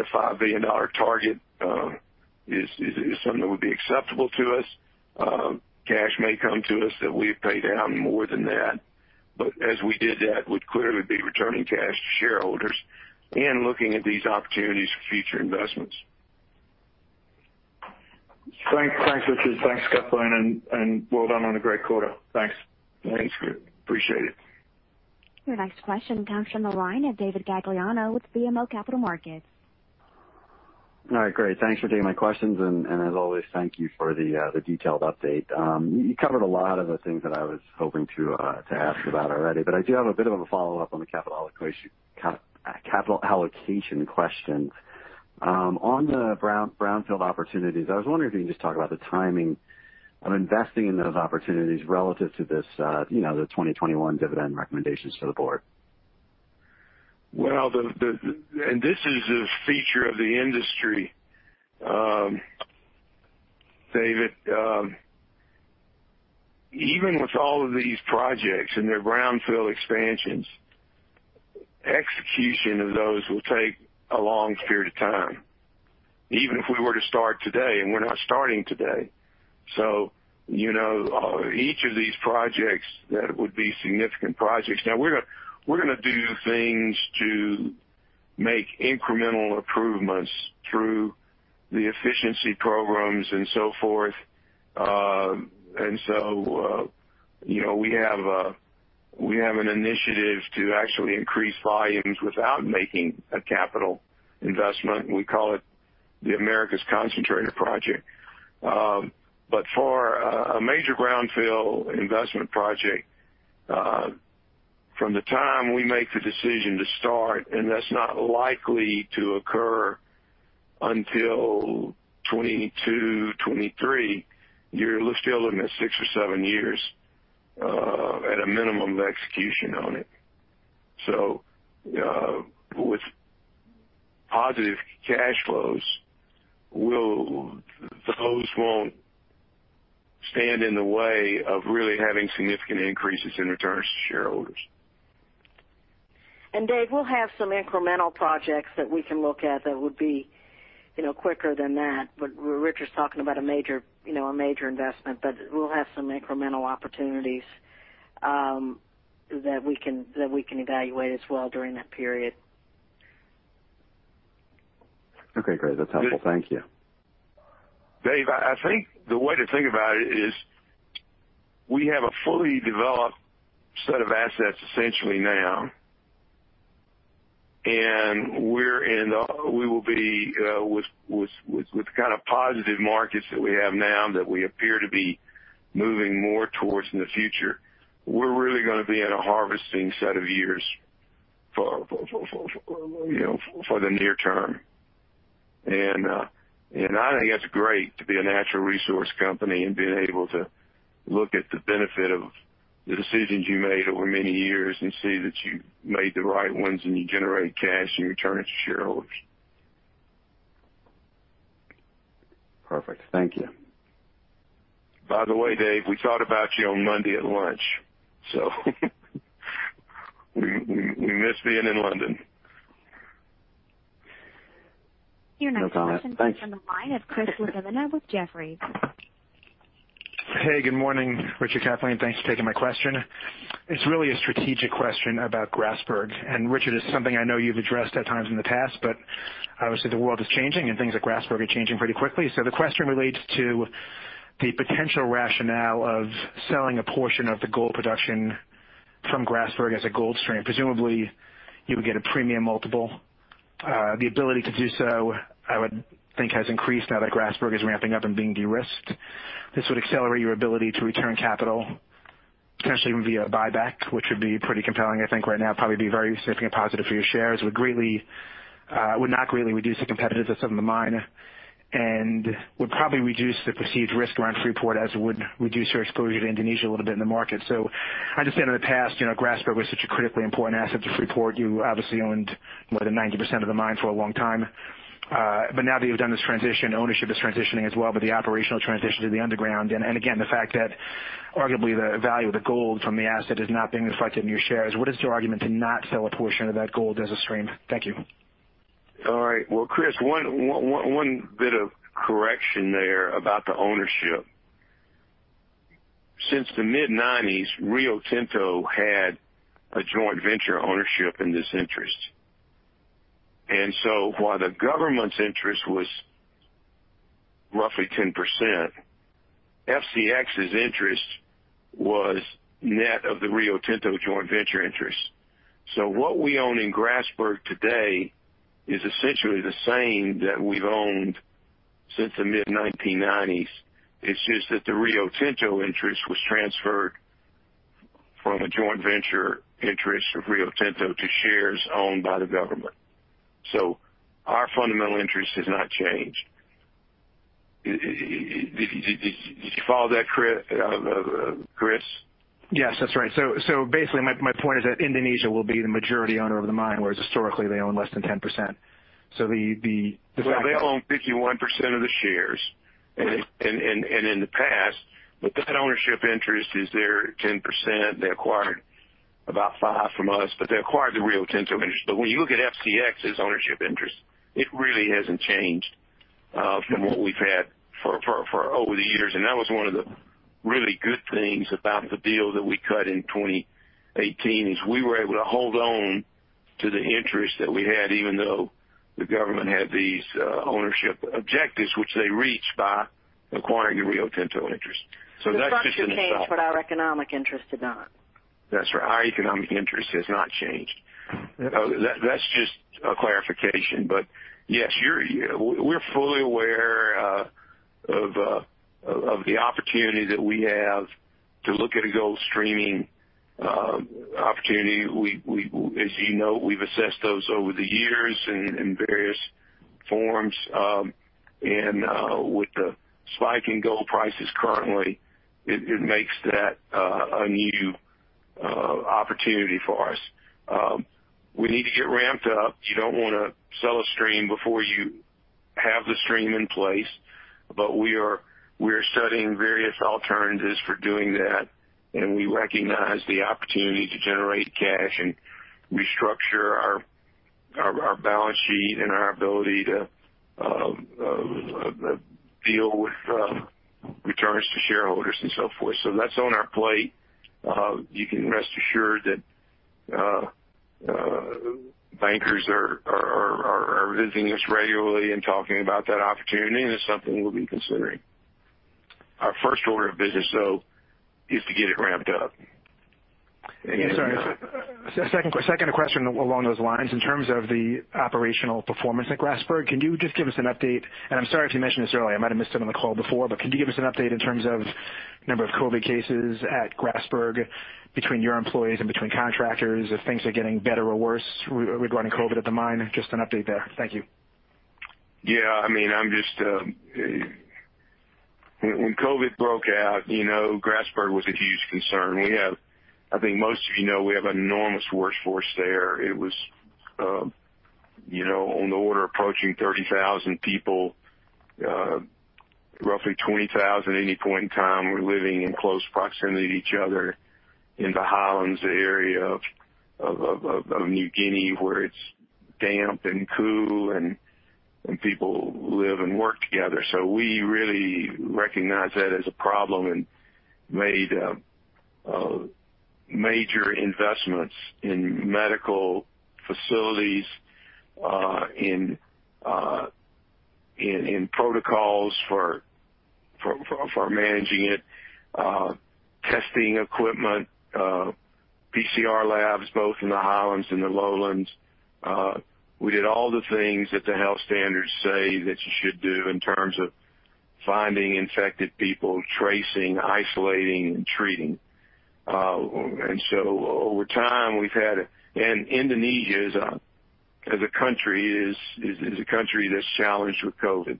a $5 billion target is something that would be acceptable to us. Cash may come to us that we have paid down more than that. As we did that, we'd clearly be returning cash to shareholders and looking at these opportunities for future investments. Thanks, Richard. Thanks, Kathleen, and well done on a great quarter. Thanks. Thanks, Chris. Appreciate it. Your next question comes from the line of David Gagliano with BMO Capital Markets. All right, great. Thanks for taking my questions, and as always, thank you for the detailed update. You covered a lot of the things that I was hoping to ask about already, but I do have a bit of a follow-up on the capital allocation question. On the brownfield opportunities, I was wondering if you can just talk about the timing of investing in those opportunities relative to the 2021 dividend recommendations for the board. This is a feature of the industry, David. Even with all of these projects and their brownfield expansions, execution of those will take a long period of time, even if we were to start today, and we're not starting today. Each of these projects, that would be significant projects. Now, we're going to do things to make incremental improvements through the efficiency programs and so forth. We have an initiative to actually increase volumes without making a capital investment. We call it the Americas Concentrator Project. For a major brownfield investment project, from the time we make the decision to start, and that's not likely to occur until 2022, 2023, you're still looking at six or seven years at a minimum of execution on it. With positive cash flows, those won't stand in the way of really having significant increases in returns to shareholders. Dave, we'll have some incremental projects that we can look at that would be quicker than that. Richard's talking about a major investment, but we'll have some incremental opportunities that we can evaluate as well during that period. Okay, great. That's helpful. Thank you. David, I think the way to think about it is we have a fully developed set of assets essentially now, and with the kind of positive markets that we have now that we appear to be moving more towards in the future, we're really going to be in a harvesting set of years for the near term. I think that's great to be a natural resource company and being able to look at the benefit of the decisions you made over many years and see that you made the right ones and you generate cash and you return it to shareholders. Perfect. Thank you. By the way, Dave, we thought about you on Monday at lunch. We miss being in London. No comment. Thanks. Your next question comes from the line of Chris LaFemina with Jefferies. Hey, good morning, Richard, Kathleen. Thanks for taking my question. It's really a strategic question about Grasberg. Richard, it's something I know you've addressed at times in the past, but obviously the world is changing and things at Grasberg are changing pretty quickly. The question relates to the potential rationale of selling a portion of the gold production from Grasberg as a gold stream. Presumably, you would get a premium multiple. The ability to do so, I would think, has increased now that Grasberg is ramping up and being de-risked. This would accelerate your ability to return capital, potentially even via buyback, which would be pretty compelling, I think, right now. Probably be a very significant positive for your shares. Would not greatly reduce the competitiveness of the mine and would probably reduce the perceived risk around Freeport as it would reduce your exposure to Indonesia a little bit in the market. I understand in the past, Grasberg was such a critically important asset to Freeport. You obviously owned more than 90% of the mine for a long time. Now that you've done this transition, ownership is transitioning as well with the operational transition to the underground. Again, the fact that arguably the value of the gold from the asset has not been reflected in your shares. What is your argument to not sell a portion of that gold as a stream? Thank you. All right. Well, Chris, one bit of correction there about the ownership. Since the mid-'90s, Rio Tinto had a joint venture ownership in this interest. While the government's interest was roughly 10%. FCX's interest was net of the Rio Tinto joint venture interest. What we own in Grasberg today is essentially the same that we've owned since the mid-1990s. It's just that the Rio Tinto interest was transferred from a joint venture interest of Rio Tinto to shares owned by the government. Our fundamental interest has not changed. Did you follow that, Chris? Yes, that's right. Basically, my point is that Indonesia will be the majority owner of the mine, whereas historically, they own less than 10%. Well, they own 51% of the shares. Right. In the past, with that ownership interest is their 10%, they acquired about five from us, but they acquired the Rio Tinto interest. When you look at FCX's ownership interest, it really hasn't changed from what we've had for over the years, and that was one of the really good things about the deal that we cut in 2018, is we were able to hold on to the interest that we had, even though the government had these ownership objectives, which they reached by acquiring the Rio Tinto interest. That's just an aside. The structure changed, but our economic interest did not. That's right. Our economic interest has not changed. Yeah. That's just a clarification. Yes, we're fully aware of the opportunity that we have to look at a gold streaming opportunity. As you know, we've assessed those over the years in various forms. With the spike in gold prices currently, it makes that a new opportunity for us. We need to get ramped up. You don't want to sell a stream before you have the stream in place. We are studying various alternatives for doing that, and we recognize the opportunity to generate cash and restructure our balance sheet and our ability to deal with returns to shareholders and so forth. That's on our plate. You can rest assured that bankers are visiting us regularly and talking about that opportunity, and it's something we'll be considering. Our first order of business, though, is to get it ramped up. Yeah, sorry. Second question along those lines, in terms of the operational performance at Grasberg, can you just give us an update? I'm sorry if you mentioned this earlier, I might have missed it on the call before, but can you give us an update in terms of number of COVID cases at Grasberg between your employees and between contractors, if things are getting better or worse regarding COVID at the mine? Just an update there. Thank you. Yeah. When COVID broke out, Grasberg was a huge concern. I think most of you know we have an enormous workforce there. It was on the order approaching 30,000 people, roughly 20,000 at any point in time, were living in close proximity to each other in the highlands area of New Guinea, where it's damp and cool, and people live and work together. We really recognized that as a problem and made major investments in medical facilities, in protocols for managing it, testing equipment, PCR labs, both in the highlands and the lowlands. We did all the things that the health standards say that you should do in terms of finding infected people, tracing, isolating, and treating. Over time, we've had it. Indonesia, as a country, is a country that's challenged with COVID.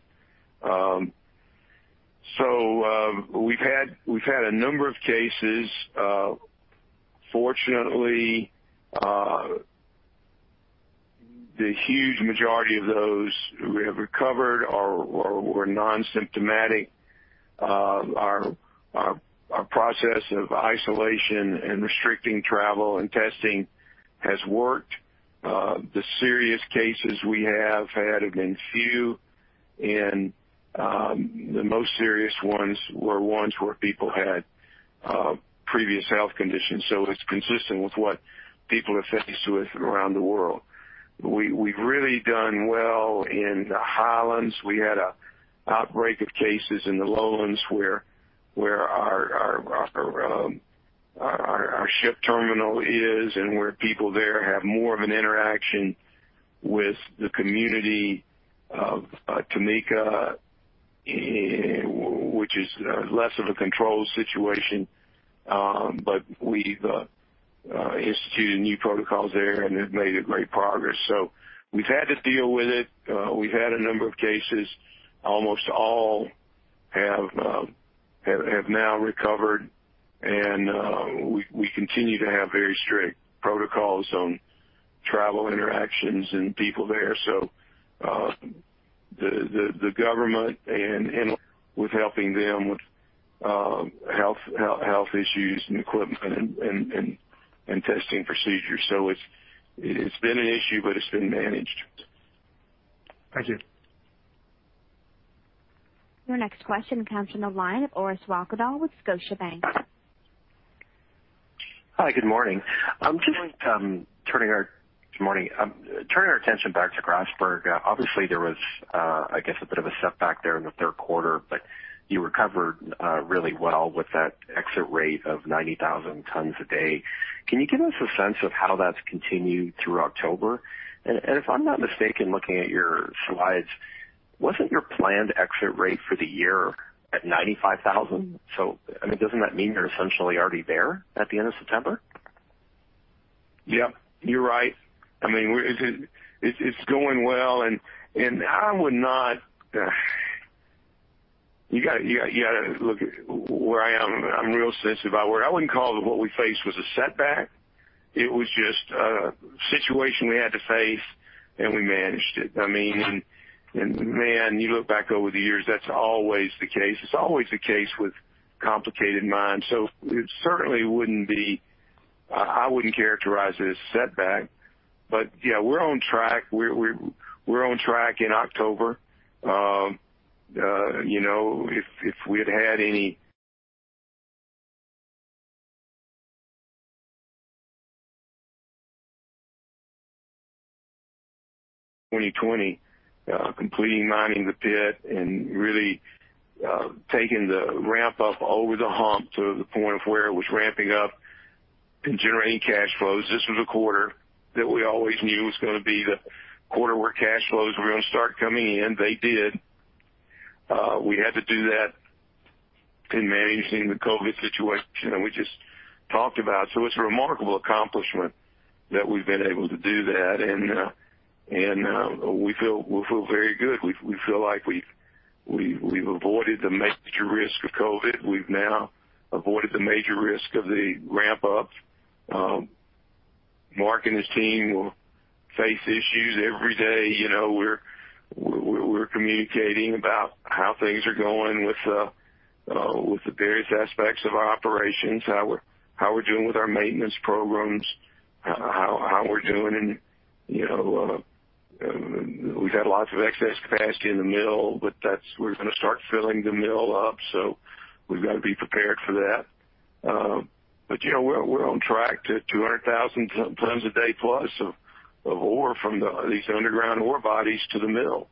We've had a number of cases. Fortunately, the huge majority of those have recovered or were non-symptomatic. Our process of isolation and restricting travel and testing has worked. The serious cases we have had have been few, and the most serious ones were ones where people had previous health conditions. It's consistent with what people are faced with around the world. We've really done well in the highlands. We had an outbreak of cases in the lowlands, where our ship terminal is and where people there have more of an interaction with the community of Timika, which is less of a controlled situation. We've instituted new protocols there, and have made a great progress. We've had to deal with it. We've had a number of cases. Almost all have now recovered, and we continue to have very strict protocols on travel interactions and people there. The government and with helping them with health issues, new equipment, and testing procedures. It's been an issue, but it's been managed. Thank you. Your next question comes from the line of Orest Wowkodaw with Scotiabank. Hi, good morning. There was, I guess, a bit of a setback there in the third quarter, but you recovered really well with that exit rate of 90,000 tons a day. Can you give us a sense of how that's continued through October? If I'm not mistaken, looking at your slides, wasn't your planned exit rate for the year at 95,000? Doesn't that mean you're essentially already there at the end of September? Yep, you're right. It's going well. You got to look at where I am. I'm real sensitive about where I wouldn't call it what we faced was a setback. It was just a situation we had to face. We managed it. Man, you look back over the years, that's always the case. It's always the case with complicated mines. It certainly wouldn't be, I wouldn't characterize it as a setback. Yeah, we're on track. We're on track in October. If we had had any 2020, completing mining the pit and really taking the ramp up over the hump to the point of where it was ramping up and generating cash flows, this was a quarter that we always knew was going to be the quarter where cash flows were going to start coming in. They did. We had to do that in managing the COVID situation, and we just talked about. It's a remarkable accomplishment that we've been able to do that, and we feel very good. We feel like we've avoided the major risk of COVID. We've now avoided the major risk of the ramp up. Mark and his team will face issues every day. We're communicating about how things are going with the various aspects of our operations, how we're doing with our maintenance programs. We've had lots of excess capacity in the mill. We're going to start filling the mill up. We've got to be prepared for that. We're on track to 200,000 tons a day plus of ore from these underground ore bodies to the mill,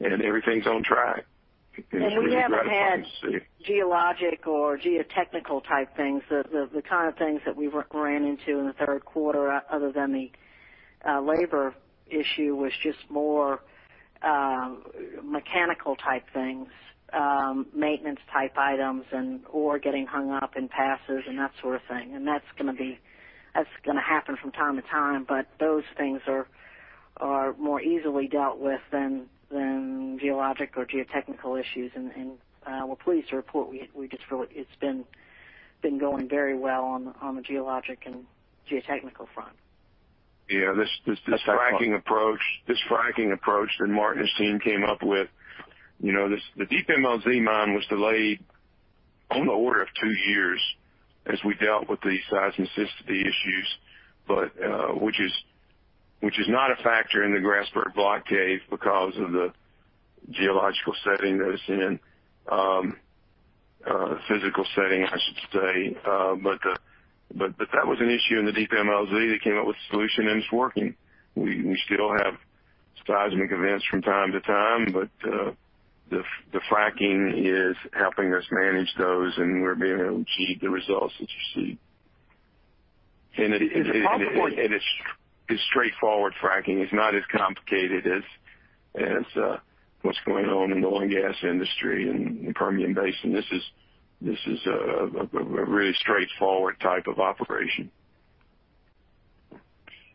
and everything's on track. It's really gratifying to see. We haven't had geologic or geotechnical type things, the kind of things that we ran into in the third quarter other than the labor issue, was just more mechanical type things, maintenance type items and ore getting hung up in passes and that sort of thing. That's going to happen from time to time, but those things are more easily dealt with than geologic or geotechnical issues. We're pleased to report it's been going very well on the geologic and geotechnical front. Yeah, this fracking approach that Mark and his team came up with. The Deep MLZ mine was delayed on the order of two years as we dealt with the seismicity issues, which is not a factor in the Grasberg Block Cave because of the geological setting that it's in. Physical setting, I should say. That was an issue in the Deep MLZ. They came up with a solution and it's working. We still have seismic events from time to time, but the fracking is helping us manage those, and we're being able to achieve the results that you see. It's straightforward fracking. It's not as complicated as what's going on in the oil and gas industry in the Permian Basin. This is a really straightforward type of operation.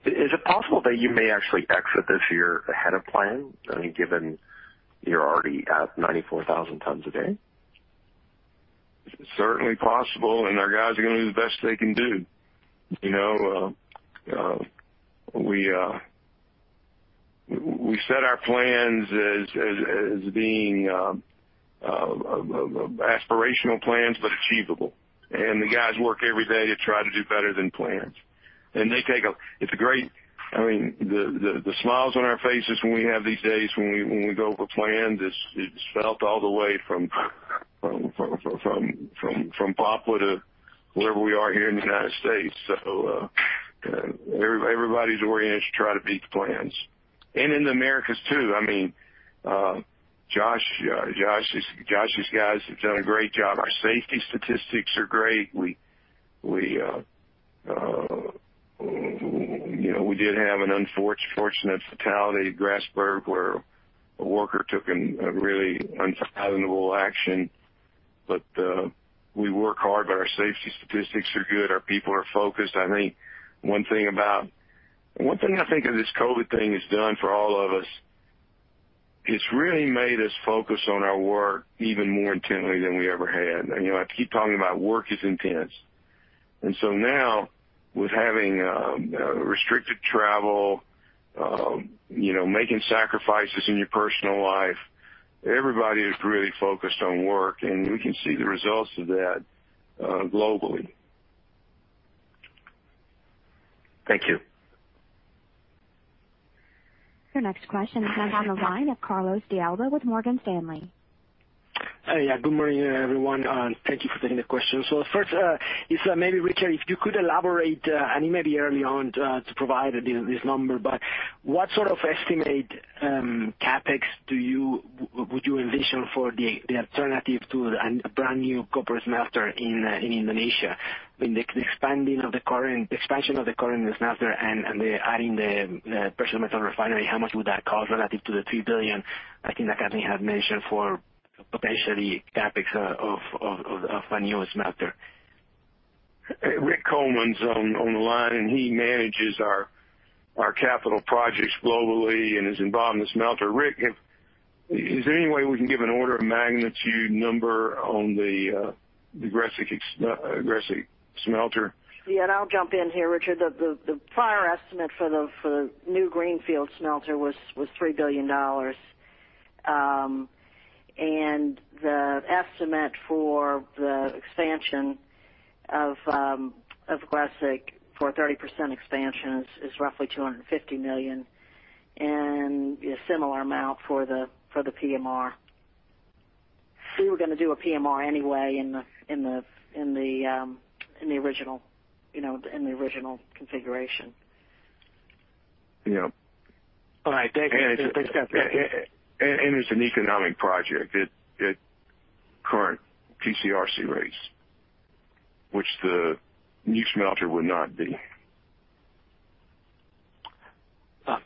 Is it possible that you may actually exit this year ahead of plan, given you're already at 94,000 tons a day? It's certainly possible. Our guys are going to do the best they can do. We set our plans as being aspirational plans, but achievable. The guys work every day to try to do better than plans. The smiles on our faces when we have these days, when we go over plans, it's felt all the way from Papua to wherever we are here in the U.S. Everybody's oriented to try to beat the plans. In the Americas, too. Josh's guys have done a great job. Our safety statistics are great. We did have an unfortunate fatality at Grasberg, where a worker took a really unfathomable action. We work hard, our safety statistics are good. Our people are focused. One thing I think that this COVID thing has done for all of us, it's really made us focus on our work even more intently than we ever had. I keep talking about work is intense. Now, with having restricted travel, making sacrifices in your personal life, everybody is really focused on work, and we can see the results of that globally. Thank you. Your next question comes from the line of Carlos de Alba with Morgan Stanley. Hey. Good morning, everyone. Thank you for taking the question. First, maybe Richard, if you could elaborate, and you maybe early on to provide this number, but what sort of estimate CapEx would you envision for the alternative to a brand new copper smelter in Indonesia? In the expansion of the current smelter and the adding the precious metal refinery, how much would that cost relative to the $3 billion I think that Kathleen had mentioned for potentially CapEx of a new smelter? Rick Coleman's on the line, and he manages our capital projects globally and is involved in the smelter. Rick, is there any way we can give an order of magnitude number on the Gresik smelter? Yeah, and I'll jump in here, Richard. The prior estimate for the new greenfield smelter was $3 billion. The estimate for the expansion of Gresik for a 30% expansion is roughly $250 million, and a similar amount for the PMR. We were going to do a PMR anyway in the original configuration. Yeah. All right. Thanks, guys. It's an economic project at current TC/RC rates, which the new smelter would not be.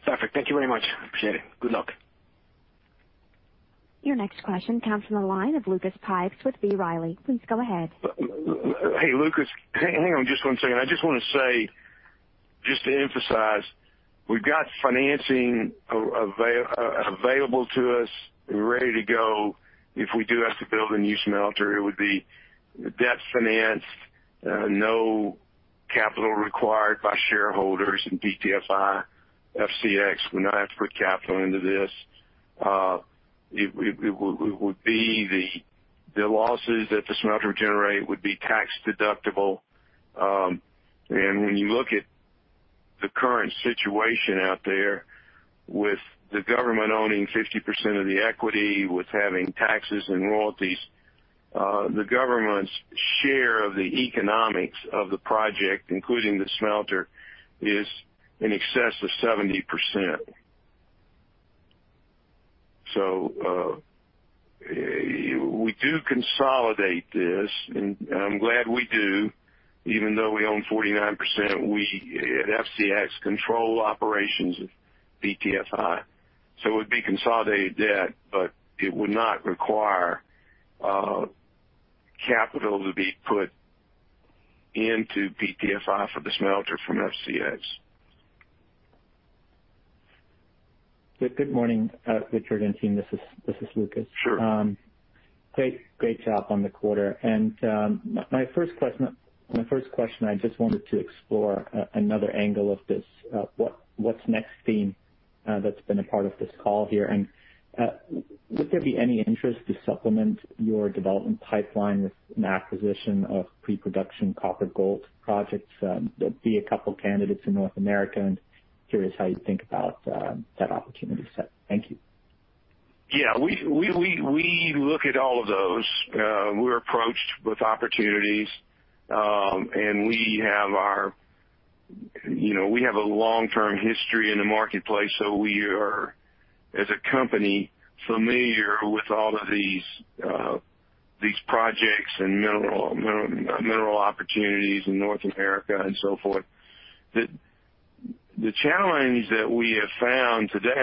Perfect. Thank you very much. Appreciate it. Good luck. Your next question comes from the line of Lucas Pipes with B. Riley. Please go ahead. Hey, Lucas. Hang on just one second. I just want to say, just to emphasize, we've got financing available to us. We're ready to go. If we do have to build a new smelter, it would be debt financed, no capital required by shareholders in PTFI. FCX would not have to put capital into this. The losses that the smelter would generate would be tax deductible. When you look at the current situation out there with the government owning 50% of the equity, with having taxes and royalties, the government's share of the economics of the project, including the smelter, is in excess of 70%. We do consolidate this, and I'm glad we do. Even though we own 49%, we at FCX control operations at PTFI. It would be consolidated debt, but it would not require capital to be put into PTFI for the smelter from FCX. Good morning, Richard and team. This is Lucas. Sure. Great job on the quarter. My first question, I just wanted to explore another angle of this what's next theme that's been a part of this call here. Would there be any interest to supplement your development pipeline with an acquisition of pre-production copper gold projects? There'd be a couple of candidates in North America, and curious how you think about that opportunity set. Thank you. Yeah, we look at all of those. We're approached with opportunities. We have a long-term history in the marketplace, we are, as a company, familiar with all of these projects and mineral opportunities in North America and so forth.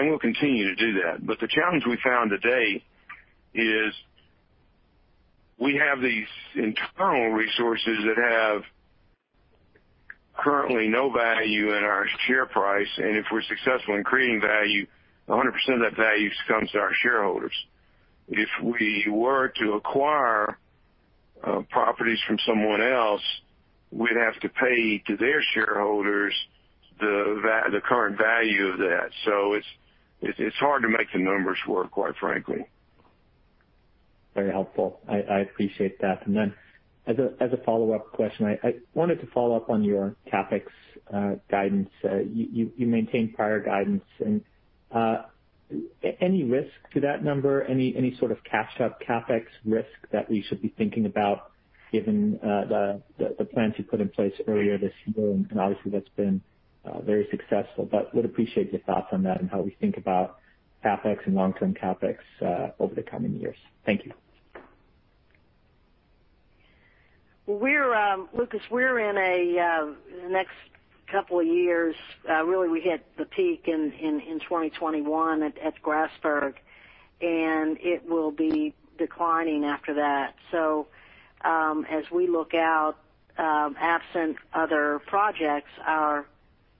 We'll continue to do that, the challenge we have found to date is we have these internal resources that have currently no value in our share price, and if we're successful in creating value, 100% of that value comes to our shareholders. If we were to acquire properties from someone else, we'd have to pay to their shareholders the current value of that. It's hard to make the numbers work, quite frankly. Very helpful. I appreciate that. As a follow-up question, I wanted to follow up on your CapEx guidance. You maintained prior guidance and any risk to that number, any sort of cash up CapEx risk that we should be thinking about given the plans you put in place earlier this year, and obviously that's been very successful, but would appreciate your thoughts on that and how we think about CapEx and long-term CapEx over the coming years? Thank you. Lucas, we're in the next couple of years, really we hit the peak in 2021 at Grasberg. It will be declining after that. As we look out, absent other projects, our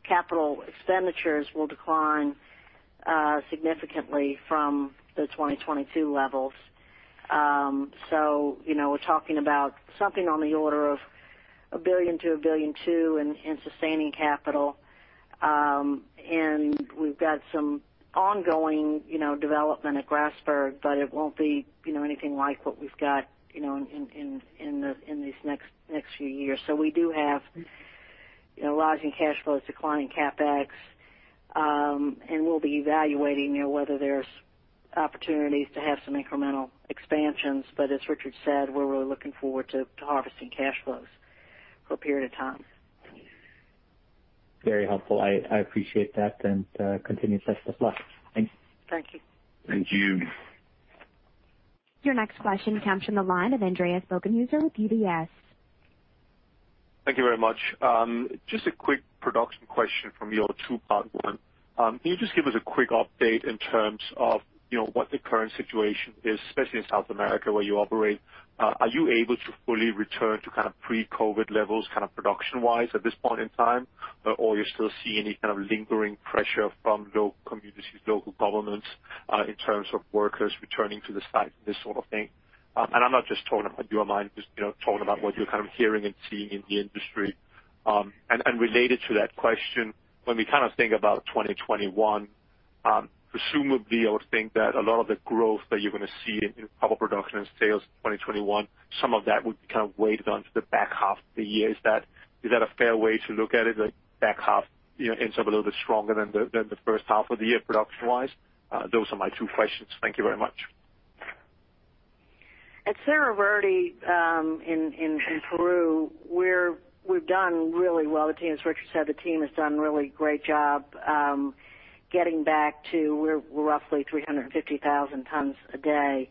capital expenditures will decline significantly from the 2022 levels. We're talking about something on the order of $1 billion-$1.2 billion in sustaining capital. We've got some ongoing development at Grasberg. It won't be anything like what we've got in these next few years. We do have rising cash flows, declining CapEx. We'll be evaluating whether there's opportunities to have some incremental expansions. As Richard said, we're really looking forward to harvesting cash flows for a period of time. Very helpful. I appreciate that, and continued best of luck. Thanks. Thank you. Thank you. Your next question comes from the line of Andreas Bokkenheuser with UBS. Thank you very much. Just a quick production question from me, or two part one. Can you just give us a quick update in terms of what the current situation is, especially in South America where you operate? Are you able to fully return to kind of pre-COVID levels production-wise at this point in time? Are you still seeing any kind of lingering pressure from local communities, local governments, in terms of workers returning to the site and this sort of thing? I'm not just talking about your mine, just talking about what you're kind of hearing and seeing in the industry. Related to that question, when we kind of think about 2021, presumably, I would think that a lot of the growth that you're going to see in copper production and sales in 2021, some of that would be kind of weighted onto the back half of the year. Is that a fair way to look at it, like back half ends up a little bit stronger than the first half of the year, production-wise? Those are my two questions. Thank you very much. At Cerro Verde in Peru, we've done really well. As Richard said, the team has done a really great job getting back to, we're roughly 350,000 tons a day.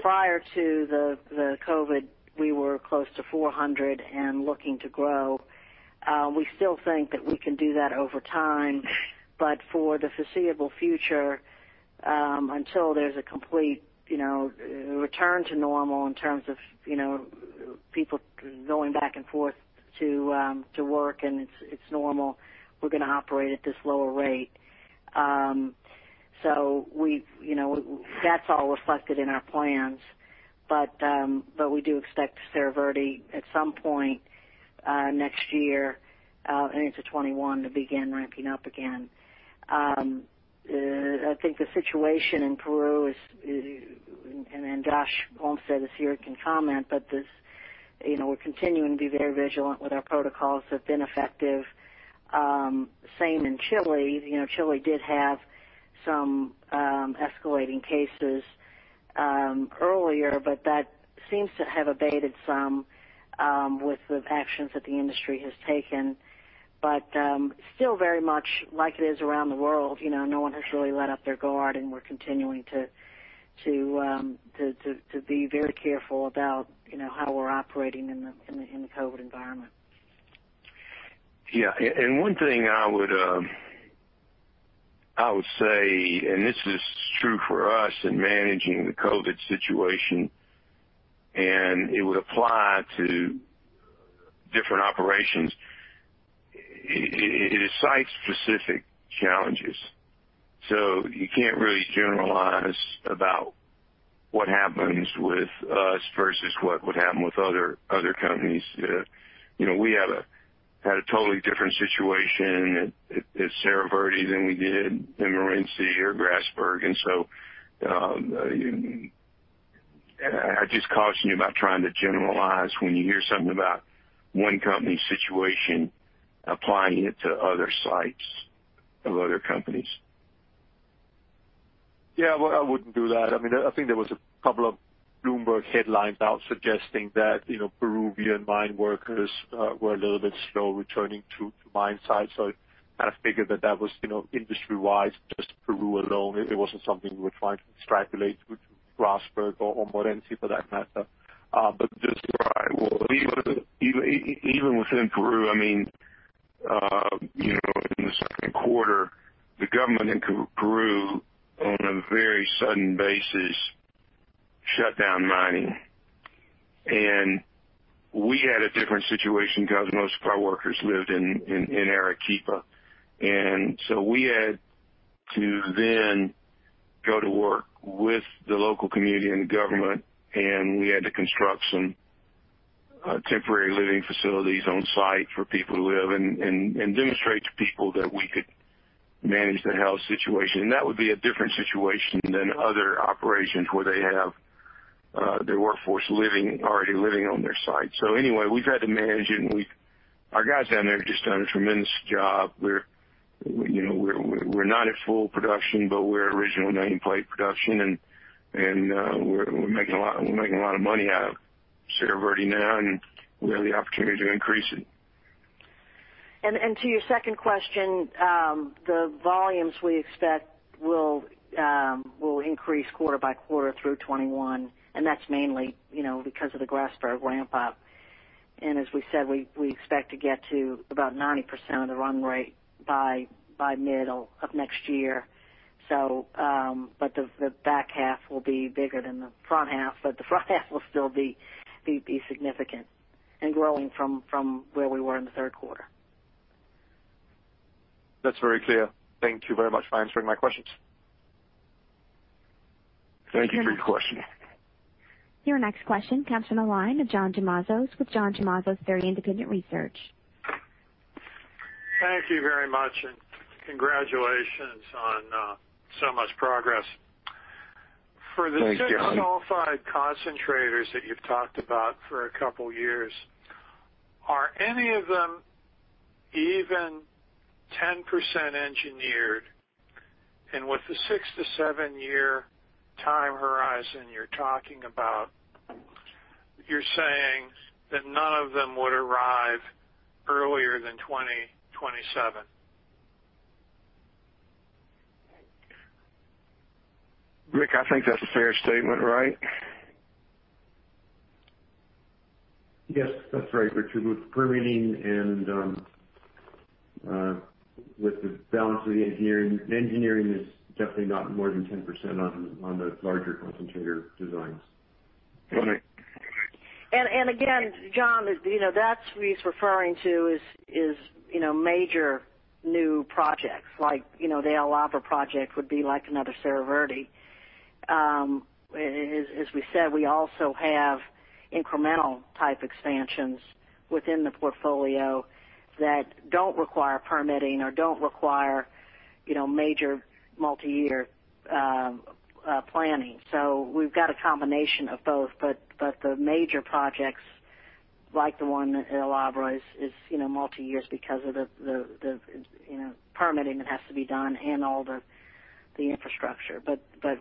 Prior to the COVID, we were close to 400,000 tons and looking to grow. We still think that we can do that over time, but for the foreseeable future, until there's a complete return to normal in terms of people going back and forth to work and it's normal, we're going to operate at this lower rate. That's all reflected in our plans. We do expect Cerro Verde at some point, next year, into 2021, to begin ramping up again. I think the situation in Peru is, and then Josh who's on the line here, can comment, but we're continuing to be very vigilant with our protocols that have been effective. Same in Chile. Chile did have some escalating cases earlier, but that seems to have abated some with the actions that the industry has taken. Still very much like it is around the world. No one has really let up their guard, and we're continuing to be very careful about how we're operating in the COVID environment. Yeah. One thing I would say, and this is true for us in managing the COVID situation, and it would apply to different operations. It is site-specific challenges, so you can't really generalize about what happens with us versus what would happen with other companies. We had a totally different situation at Cerro Verde than we did in Morenci or Grasberg, and so I'd just caution you about trying to generalize when you hear something about one company's situation, applying it to other sites of other companies. Yeah. Well, I wouldn't do that. I think there was a couple of Bloomberg headlines out suggesting that Peruvian mine workers were a little bit slow returning to mine sites. I kind of figured that that was industry-wise, just Peru alone. It wasn't something we were trying to extrapolate to Grasberg or Morenci for that matter. Right. Well, even within Peru, in the second quarter, the government in Peru, on a very sudden basis, shut down mining. We had a different situation because most of our workers lived in Arequipa. We had to then go to work with the local community and the government, and we had to construct some temporary living facilities on site for people to live in and demonstrate to people that we could manage the health situation. That would be a different situation than other operations where they have their workforce already living on their site. Anyway, we've had to manage it, and our guys down there have just done a tremendous job. We're not at full production, but we're at original nameplate production, and we're making a lot of money out of Cerro Verde now, and we have the opportunity to increase it. To your second question, the volumes we expect will increase quarter by quarter through 2021, and that's mainly because of the Grasberg ramp up. As we said, we expect to get to about 90% of the run rate by middle of next year. The back half will be bigger than the front half, but the front half will still be significant and growing from where we were in the third quarter. That's very clear. Thank you very much for answering my questions. Thank you for your question. Your next question comes from the line of John Tumazos with John Tumazos Very Independent Research. Thank you very much, and congratulations on so much progress. For the six sulfide concentrators that you've talked about for a couple of years, are any of them even 10% engineered? With the six to seven-year time horizon you're talking about, you're saying that none of them would arrive earlier than 2027? Rick, I think that's a fair statement, right? Yes, that's right, Richard. With permitting and with the balance of the engineering is definitely not more than 10% on the larger concentrator designs. All right. Again, John, that's what he's referring to is major new projects like the El Abra project would be like another Cerro Verde. As we said, we also have incremental type expansions within the portfolio that don't require permitting or don't require major multi-year planning. We've got a combination of both, but the major projects like the one at El Abra is multi-years because of the permitting that has to be done and all the infrastructure.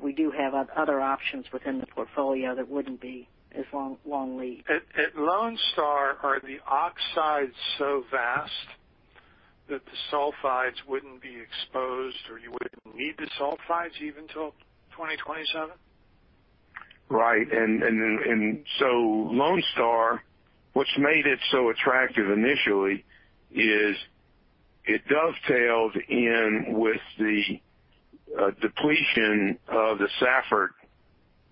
We do have other options within the portfolio that wouldn't be as long lead. At Lone Star, are the oxides so vast that the sulfides wouldn't be exposed, or you wouldn't need the sulfides even till 2027? Right. Lone Star, what's made it so attractive initially is it dovetails in with the depletion of the Safford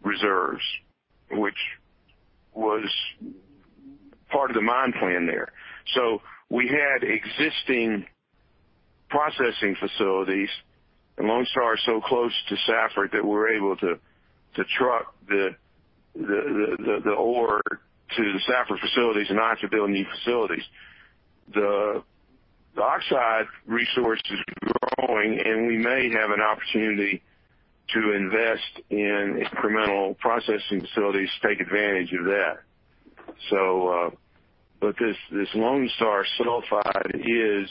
reserves, which was part of the mine plan there. We had existing processing facilities, and Lone Star is so close to Safford that we're able to truck the ore to the Safford facilities and not to build new facilities. The oxide resource is growing, and we may have an opportunity to invest in incremental processing facilities to take advantage of that. This Lone Star sulfide is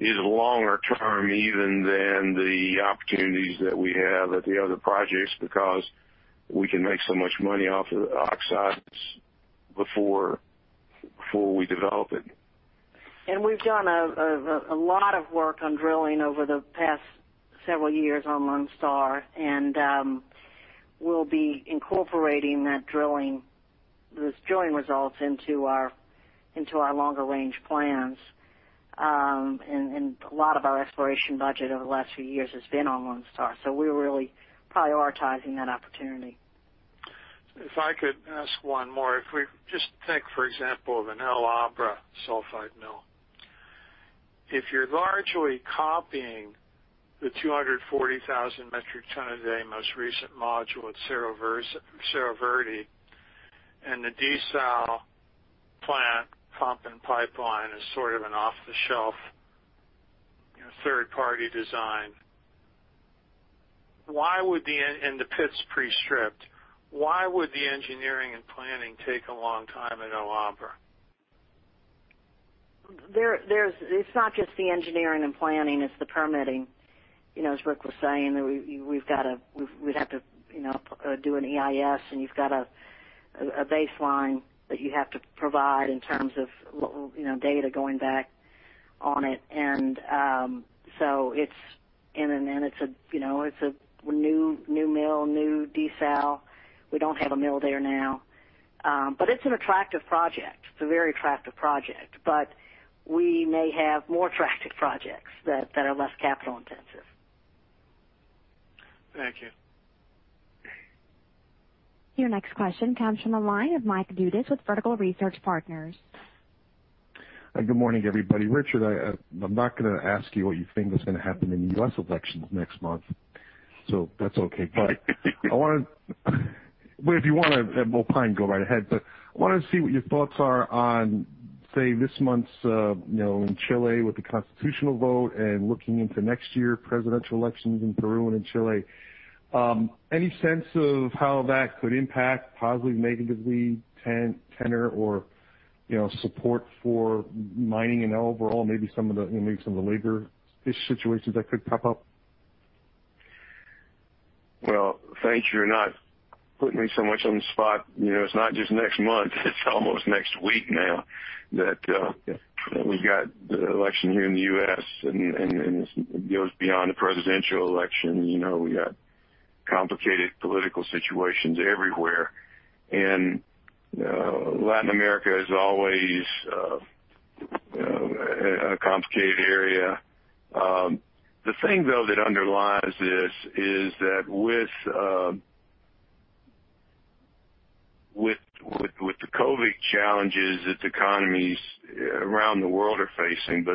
longer term even than the opportunities that we have at the other projects because we can make so much money off of the oxides before we develop it. We've done a lot of work on drilling over the past several years on Lone Star, and we'll be incorporating those drilling results into our longer-range plans. A lot of our exploration budget over the last few years has been on Lone Star, so we're really prioritizing that opportunity. If I could ask one more. If we just take, for example, the El Abra sulfide mill. If you're largely copying the 240,000 metric ton a day most recent module at Cerro Verde, and the desal plant pump and pipeline is sort of an off-the-shelf, third-party design, and the pit's pre-stripped. Why would the engineering and planning take a long time at El Abra? It's not just the engineering and planning, it's the permitting. As Rick was saying, we'd have to do an EIS, and you've got a baseline that you have to provide in terms of data going back on it. Then it's a new mill, new desal. We don't have a mill there now. It's an attractive project. It's a very attractive project, but we may have more attractive projects that are less capital intensive. Thank you. Your next question comes from the line of Mike Dudas with Vertical Research Partners. Good morning, everybody. Richard, I'm not going to ask you what you think is going to happen in the U.S. elections next month. That's okay. Well, if you want to opine, go right ahead, but I wanted to see what your thoughts are on, say, this month's in Chile with the constitutional vote and looking into next year presidential elections in Peru and in Chile. Any sense of how that could impact positively, negatively tenure or support for mining in overall, maybe some of the labor issues situations that could pop up? Well, thank you for not putting me so much on the spot. It's not just next month, it's almost next week now that we've got the election here in the U.S. It goes beyond the presidential election. We got complicated political situations everywhere. Latin America is always a complicated area. The thing, though, that underlies this is that with the COVID challenges that the economies around the world are facing,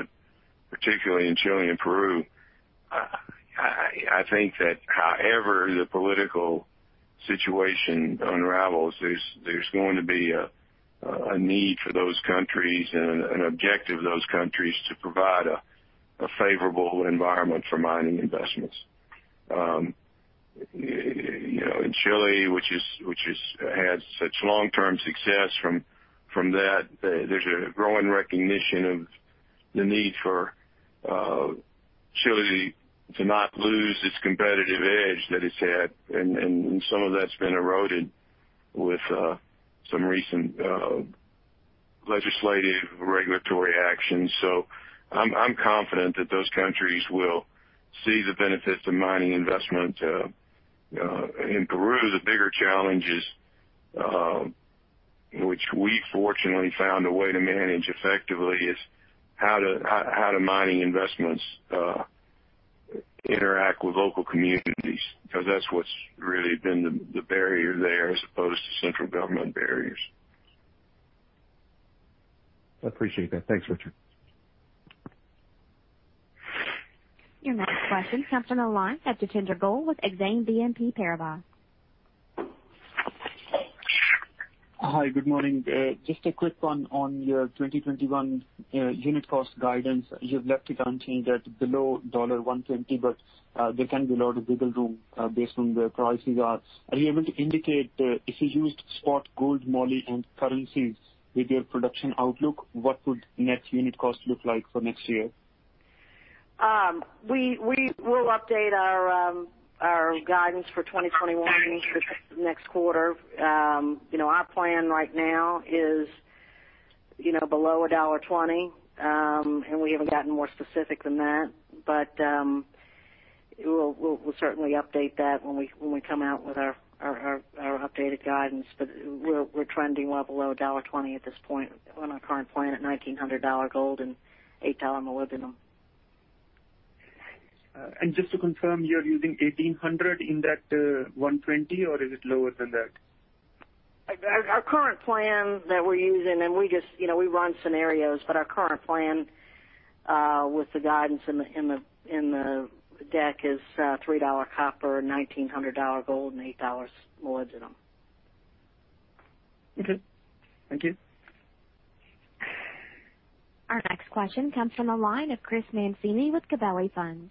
particularly in Chile and Peru, I think that however the political situation unravels, there's going to be a need for those countries and an objective of those countries to provide a favorable environment for mining investments. In Chile, which has had such long-term success from that, there's a growing recognition of the need for Chile to not lose its competitive edge that it's had. Some of that's been eroded with some recent legislative regulatory actions. I'm confident that those countries will see the benefits of mining investment. In Peru, the bigger challenge is, which we fortunately found a way to manage effectively, is how do mining investments interact with local communities? That's what's really been the barrier there as opposed to central government barriers. I appreciate that. Thanks, Richard. Your next question comes from the line of Jatinder Goel with Exane BNP Paribas. Hi, good morning. A quick one on your 2021 unit cost guidance. You have left it unchanged at below $1.20, there can be a lot of wiggle room based on where prices are. Are you able to indicate if you used spot gold, moly, and currencies with your production outlook, what would net unit cost look like for next year? We will update our guidance for 2021 next quarter. Our plan right now is below $1.20, and we haven't gotten more specific than that. We'll certainly update that when we come out with our updated guidance. We're trending well below $1.20 at this point on our current plan at $1,900 gold and $8 molybdenum. Just to confirm, you're using $1,800 in that $1.20, or is it lower than that? Our current plan that we're using, and we run scenarios, but our current plan with the guidance in the deck is $3 copper, $1,900 gold, and $8 molybdenum. Okay. Thank you. Our next question comes from the line of Chris Mancini with Gabelli Funds.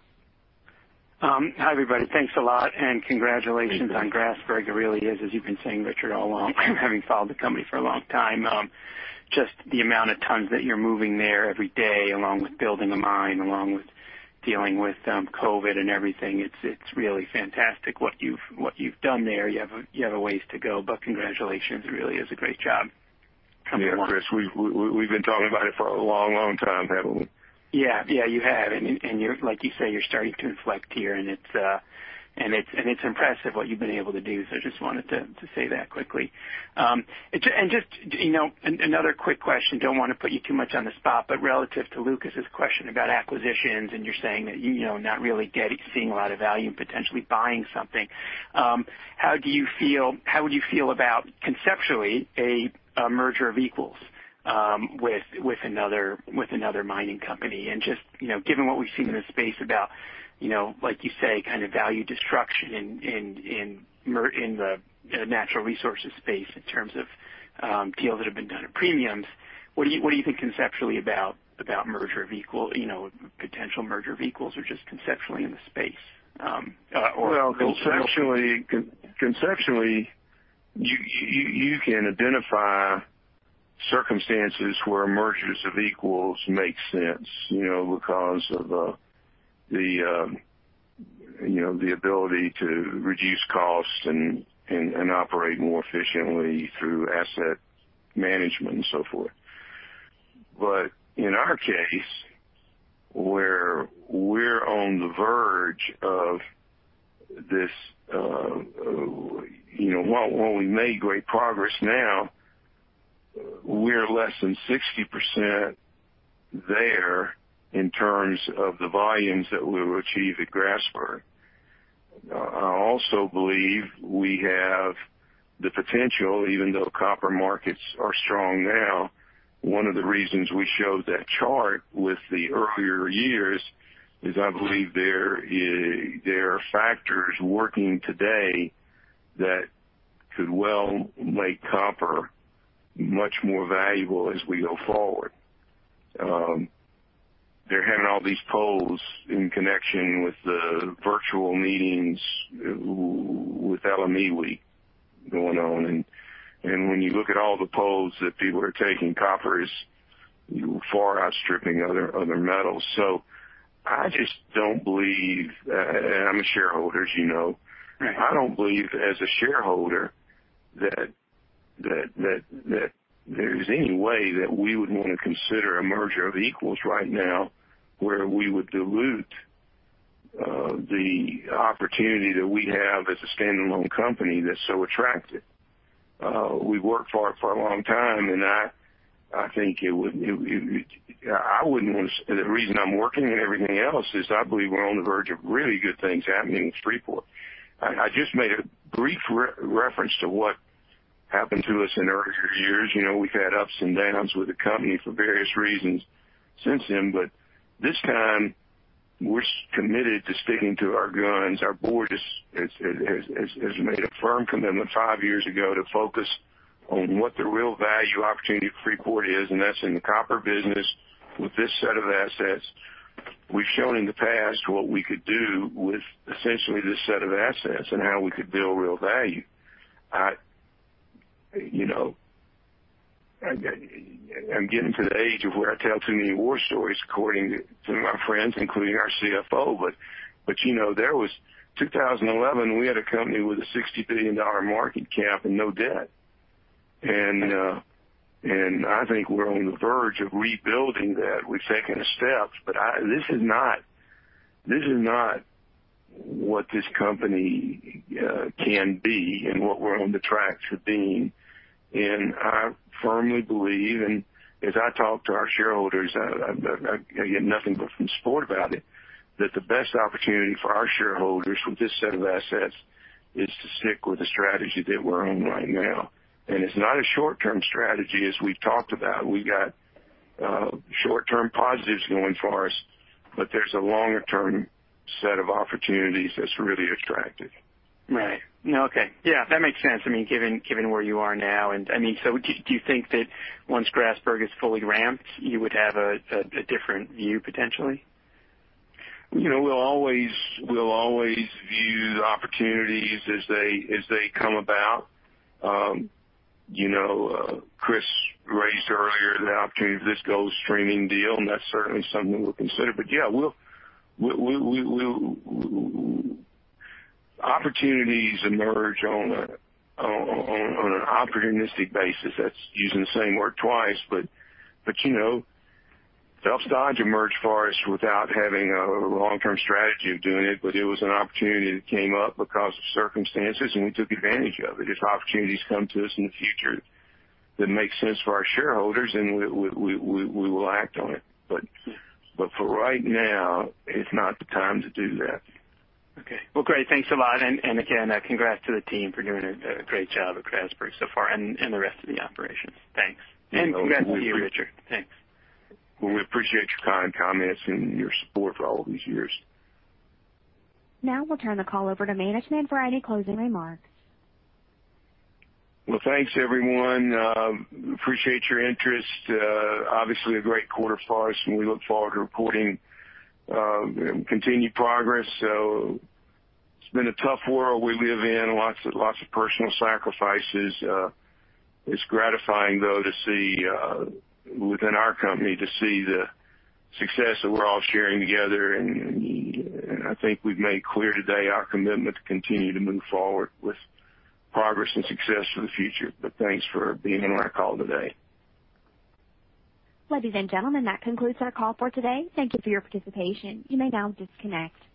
Hi, everybody. Thanks a lot and congratulations on Grasberg. It really is, as you've been saying, Richard, all along, having followed the company for a long time. Just the amount of tons that you're moving there every day, along with building a mine, along with dealing with COVID and everything, it's really fantastic what you've done there. You have a ways to go, but congratulations. It really is a great job. Yeah, Chris, we've been talking about it for a long, long time, haven't we? Yeah. You have, and like you say, you're starting to inflect here, and it's impressive what you've been able to do. I just wanted to say that quickly. Just another quick question. Don't want to put you too much on the spot, but relative to Lucas's question about acquisitions, and you're saying that you're not really seeing a lot of value in potentially buying something. How would you feel about, conceptually, a merger of equals with another mining company? Just given what we've seen in the space about, like you say, kind of value destruction in the natural resources space in terms of deals that have been done at premiums. What do you think conceptually about potential merger of equals, or just conceptually in the space? Well, conceptually, you can identify circumstances where mergers of equals make sense because of the ability to reduce costs and operate more efficiently through asset management and so forth. In our case, while we've made great progress now, we're less than 60% there in terms of the volumes that we'll achieve at Grasberg. I also believe we have the potential, even though copper markets are strong now, one of the reasons we showed that chart with the earlier years is I believe there are factors working today that could well make copper much more valuable as we go forward. They're having all these polls in connection with the virtual meetings with LME Week going on. When you look at all the polls that people are taking, copper is far outstripping other metals. I just don't believe, and I'm a shareholder as you know. Right. I don't believe as a shareholder that there's any way that we would want to consider a merger of equals right now where we would dilute the opportunity that we have as a standalone company that's so attractive. We've worked for it for a long time, and the reason I'm working and everything else is I believe we're on the verge of really good things happening with Freeport. I just made a brief reference to what happened to us in earlier years. We've had ups and downs with the company for various reasons since then. This time, we're committed to sticking to our guns. Our board has made a firm commitment five years ago to focus on what the real value opportunity for Freeport is, and that's in the copper business with this set of assets. We've shown in the past what we could do with essentially this set of assets and how we could build real value. I'm getting to the age of where I tell too many war stories, according to some of my friends, including our CFO. 2011, we had a company with a $60 billion market cap and no debt. I think we're on the verge of rebuilding that. We've taken steps, but this is not what this company can be and what we're on the track to being. I firmly believe, and as I talk to our shareholders, I get nothing but some support about it, that the best opportunity for our shareholders with this set of assets is to stick with the strategy that we're on right now. It's not a short-term strategy, as we've talked about. We got short-term positives going for us, but there's a longer term set of opportunities that's really attractive. Right. Okay. Yeah, that makes sense. Given where you are now. Do you think that once Grasberg is fully ramped, you would have a different view potentially? We'll always view the opportunities as they come about. Chris raised earlier the opportunity for this gold streaming deal, and that's certainly something we'll consider. Yeah, opportunities emerge on an opportunistic basis. That's using the same word twice, but Phelps Dodge emerged for us without having a long-term strategy of doing it, but it was an opportunity that came up because of circumstances, and we took advantage of it. If opportunities come to us in the future that make sense for our shareholders, we will act on it. For right now, it's not the time to do that. Okay. Well, great. Thanks a lot. Again, congrats to the team for doing a great job at Grasberg so far and the rest of the operations. Thanks. Congrats to you, Richard. Thanks. Well, we appreciate your kind comments and your support for all of these years. Now we'll turn the call over to management for any closing remarks. Well, thanks, everyone. Appreciate your interest. Obviously a great quarter for us, and we look forward to reporting continued progress. It's been a tough world we live in, lots of personal sacrifices. It's gratifying, though, to see within our company, to see the success that we're all sharing together. I think we've made clear today our commitment to continue to move forward with progress and success for the future. Thanks for being on our call today. Ladies and gentlemen, that concludes our call for today. Thank you for your participation. You may now disconnect.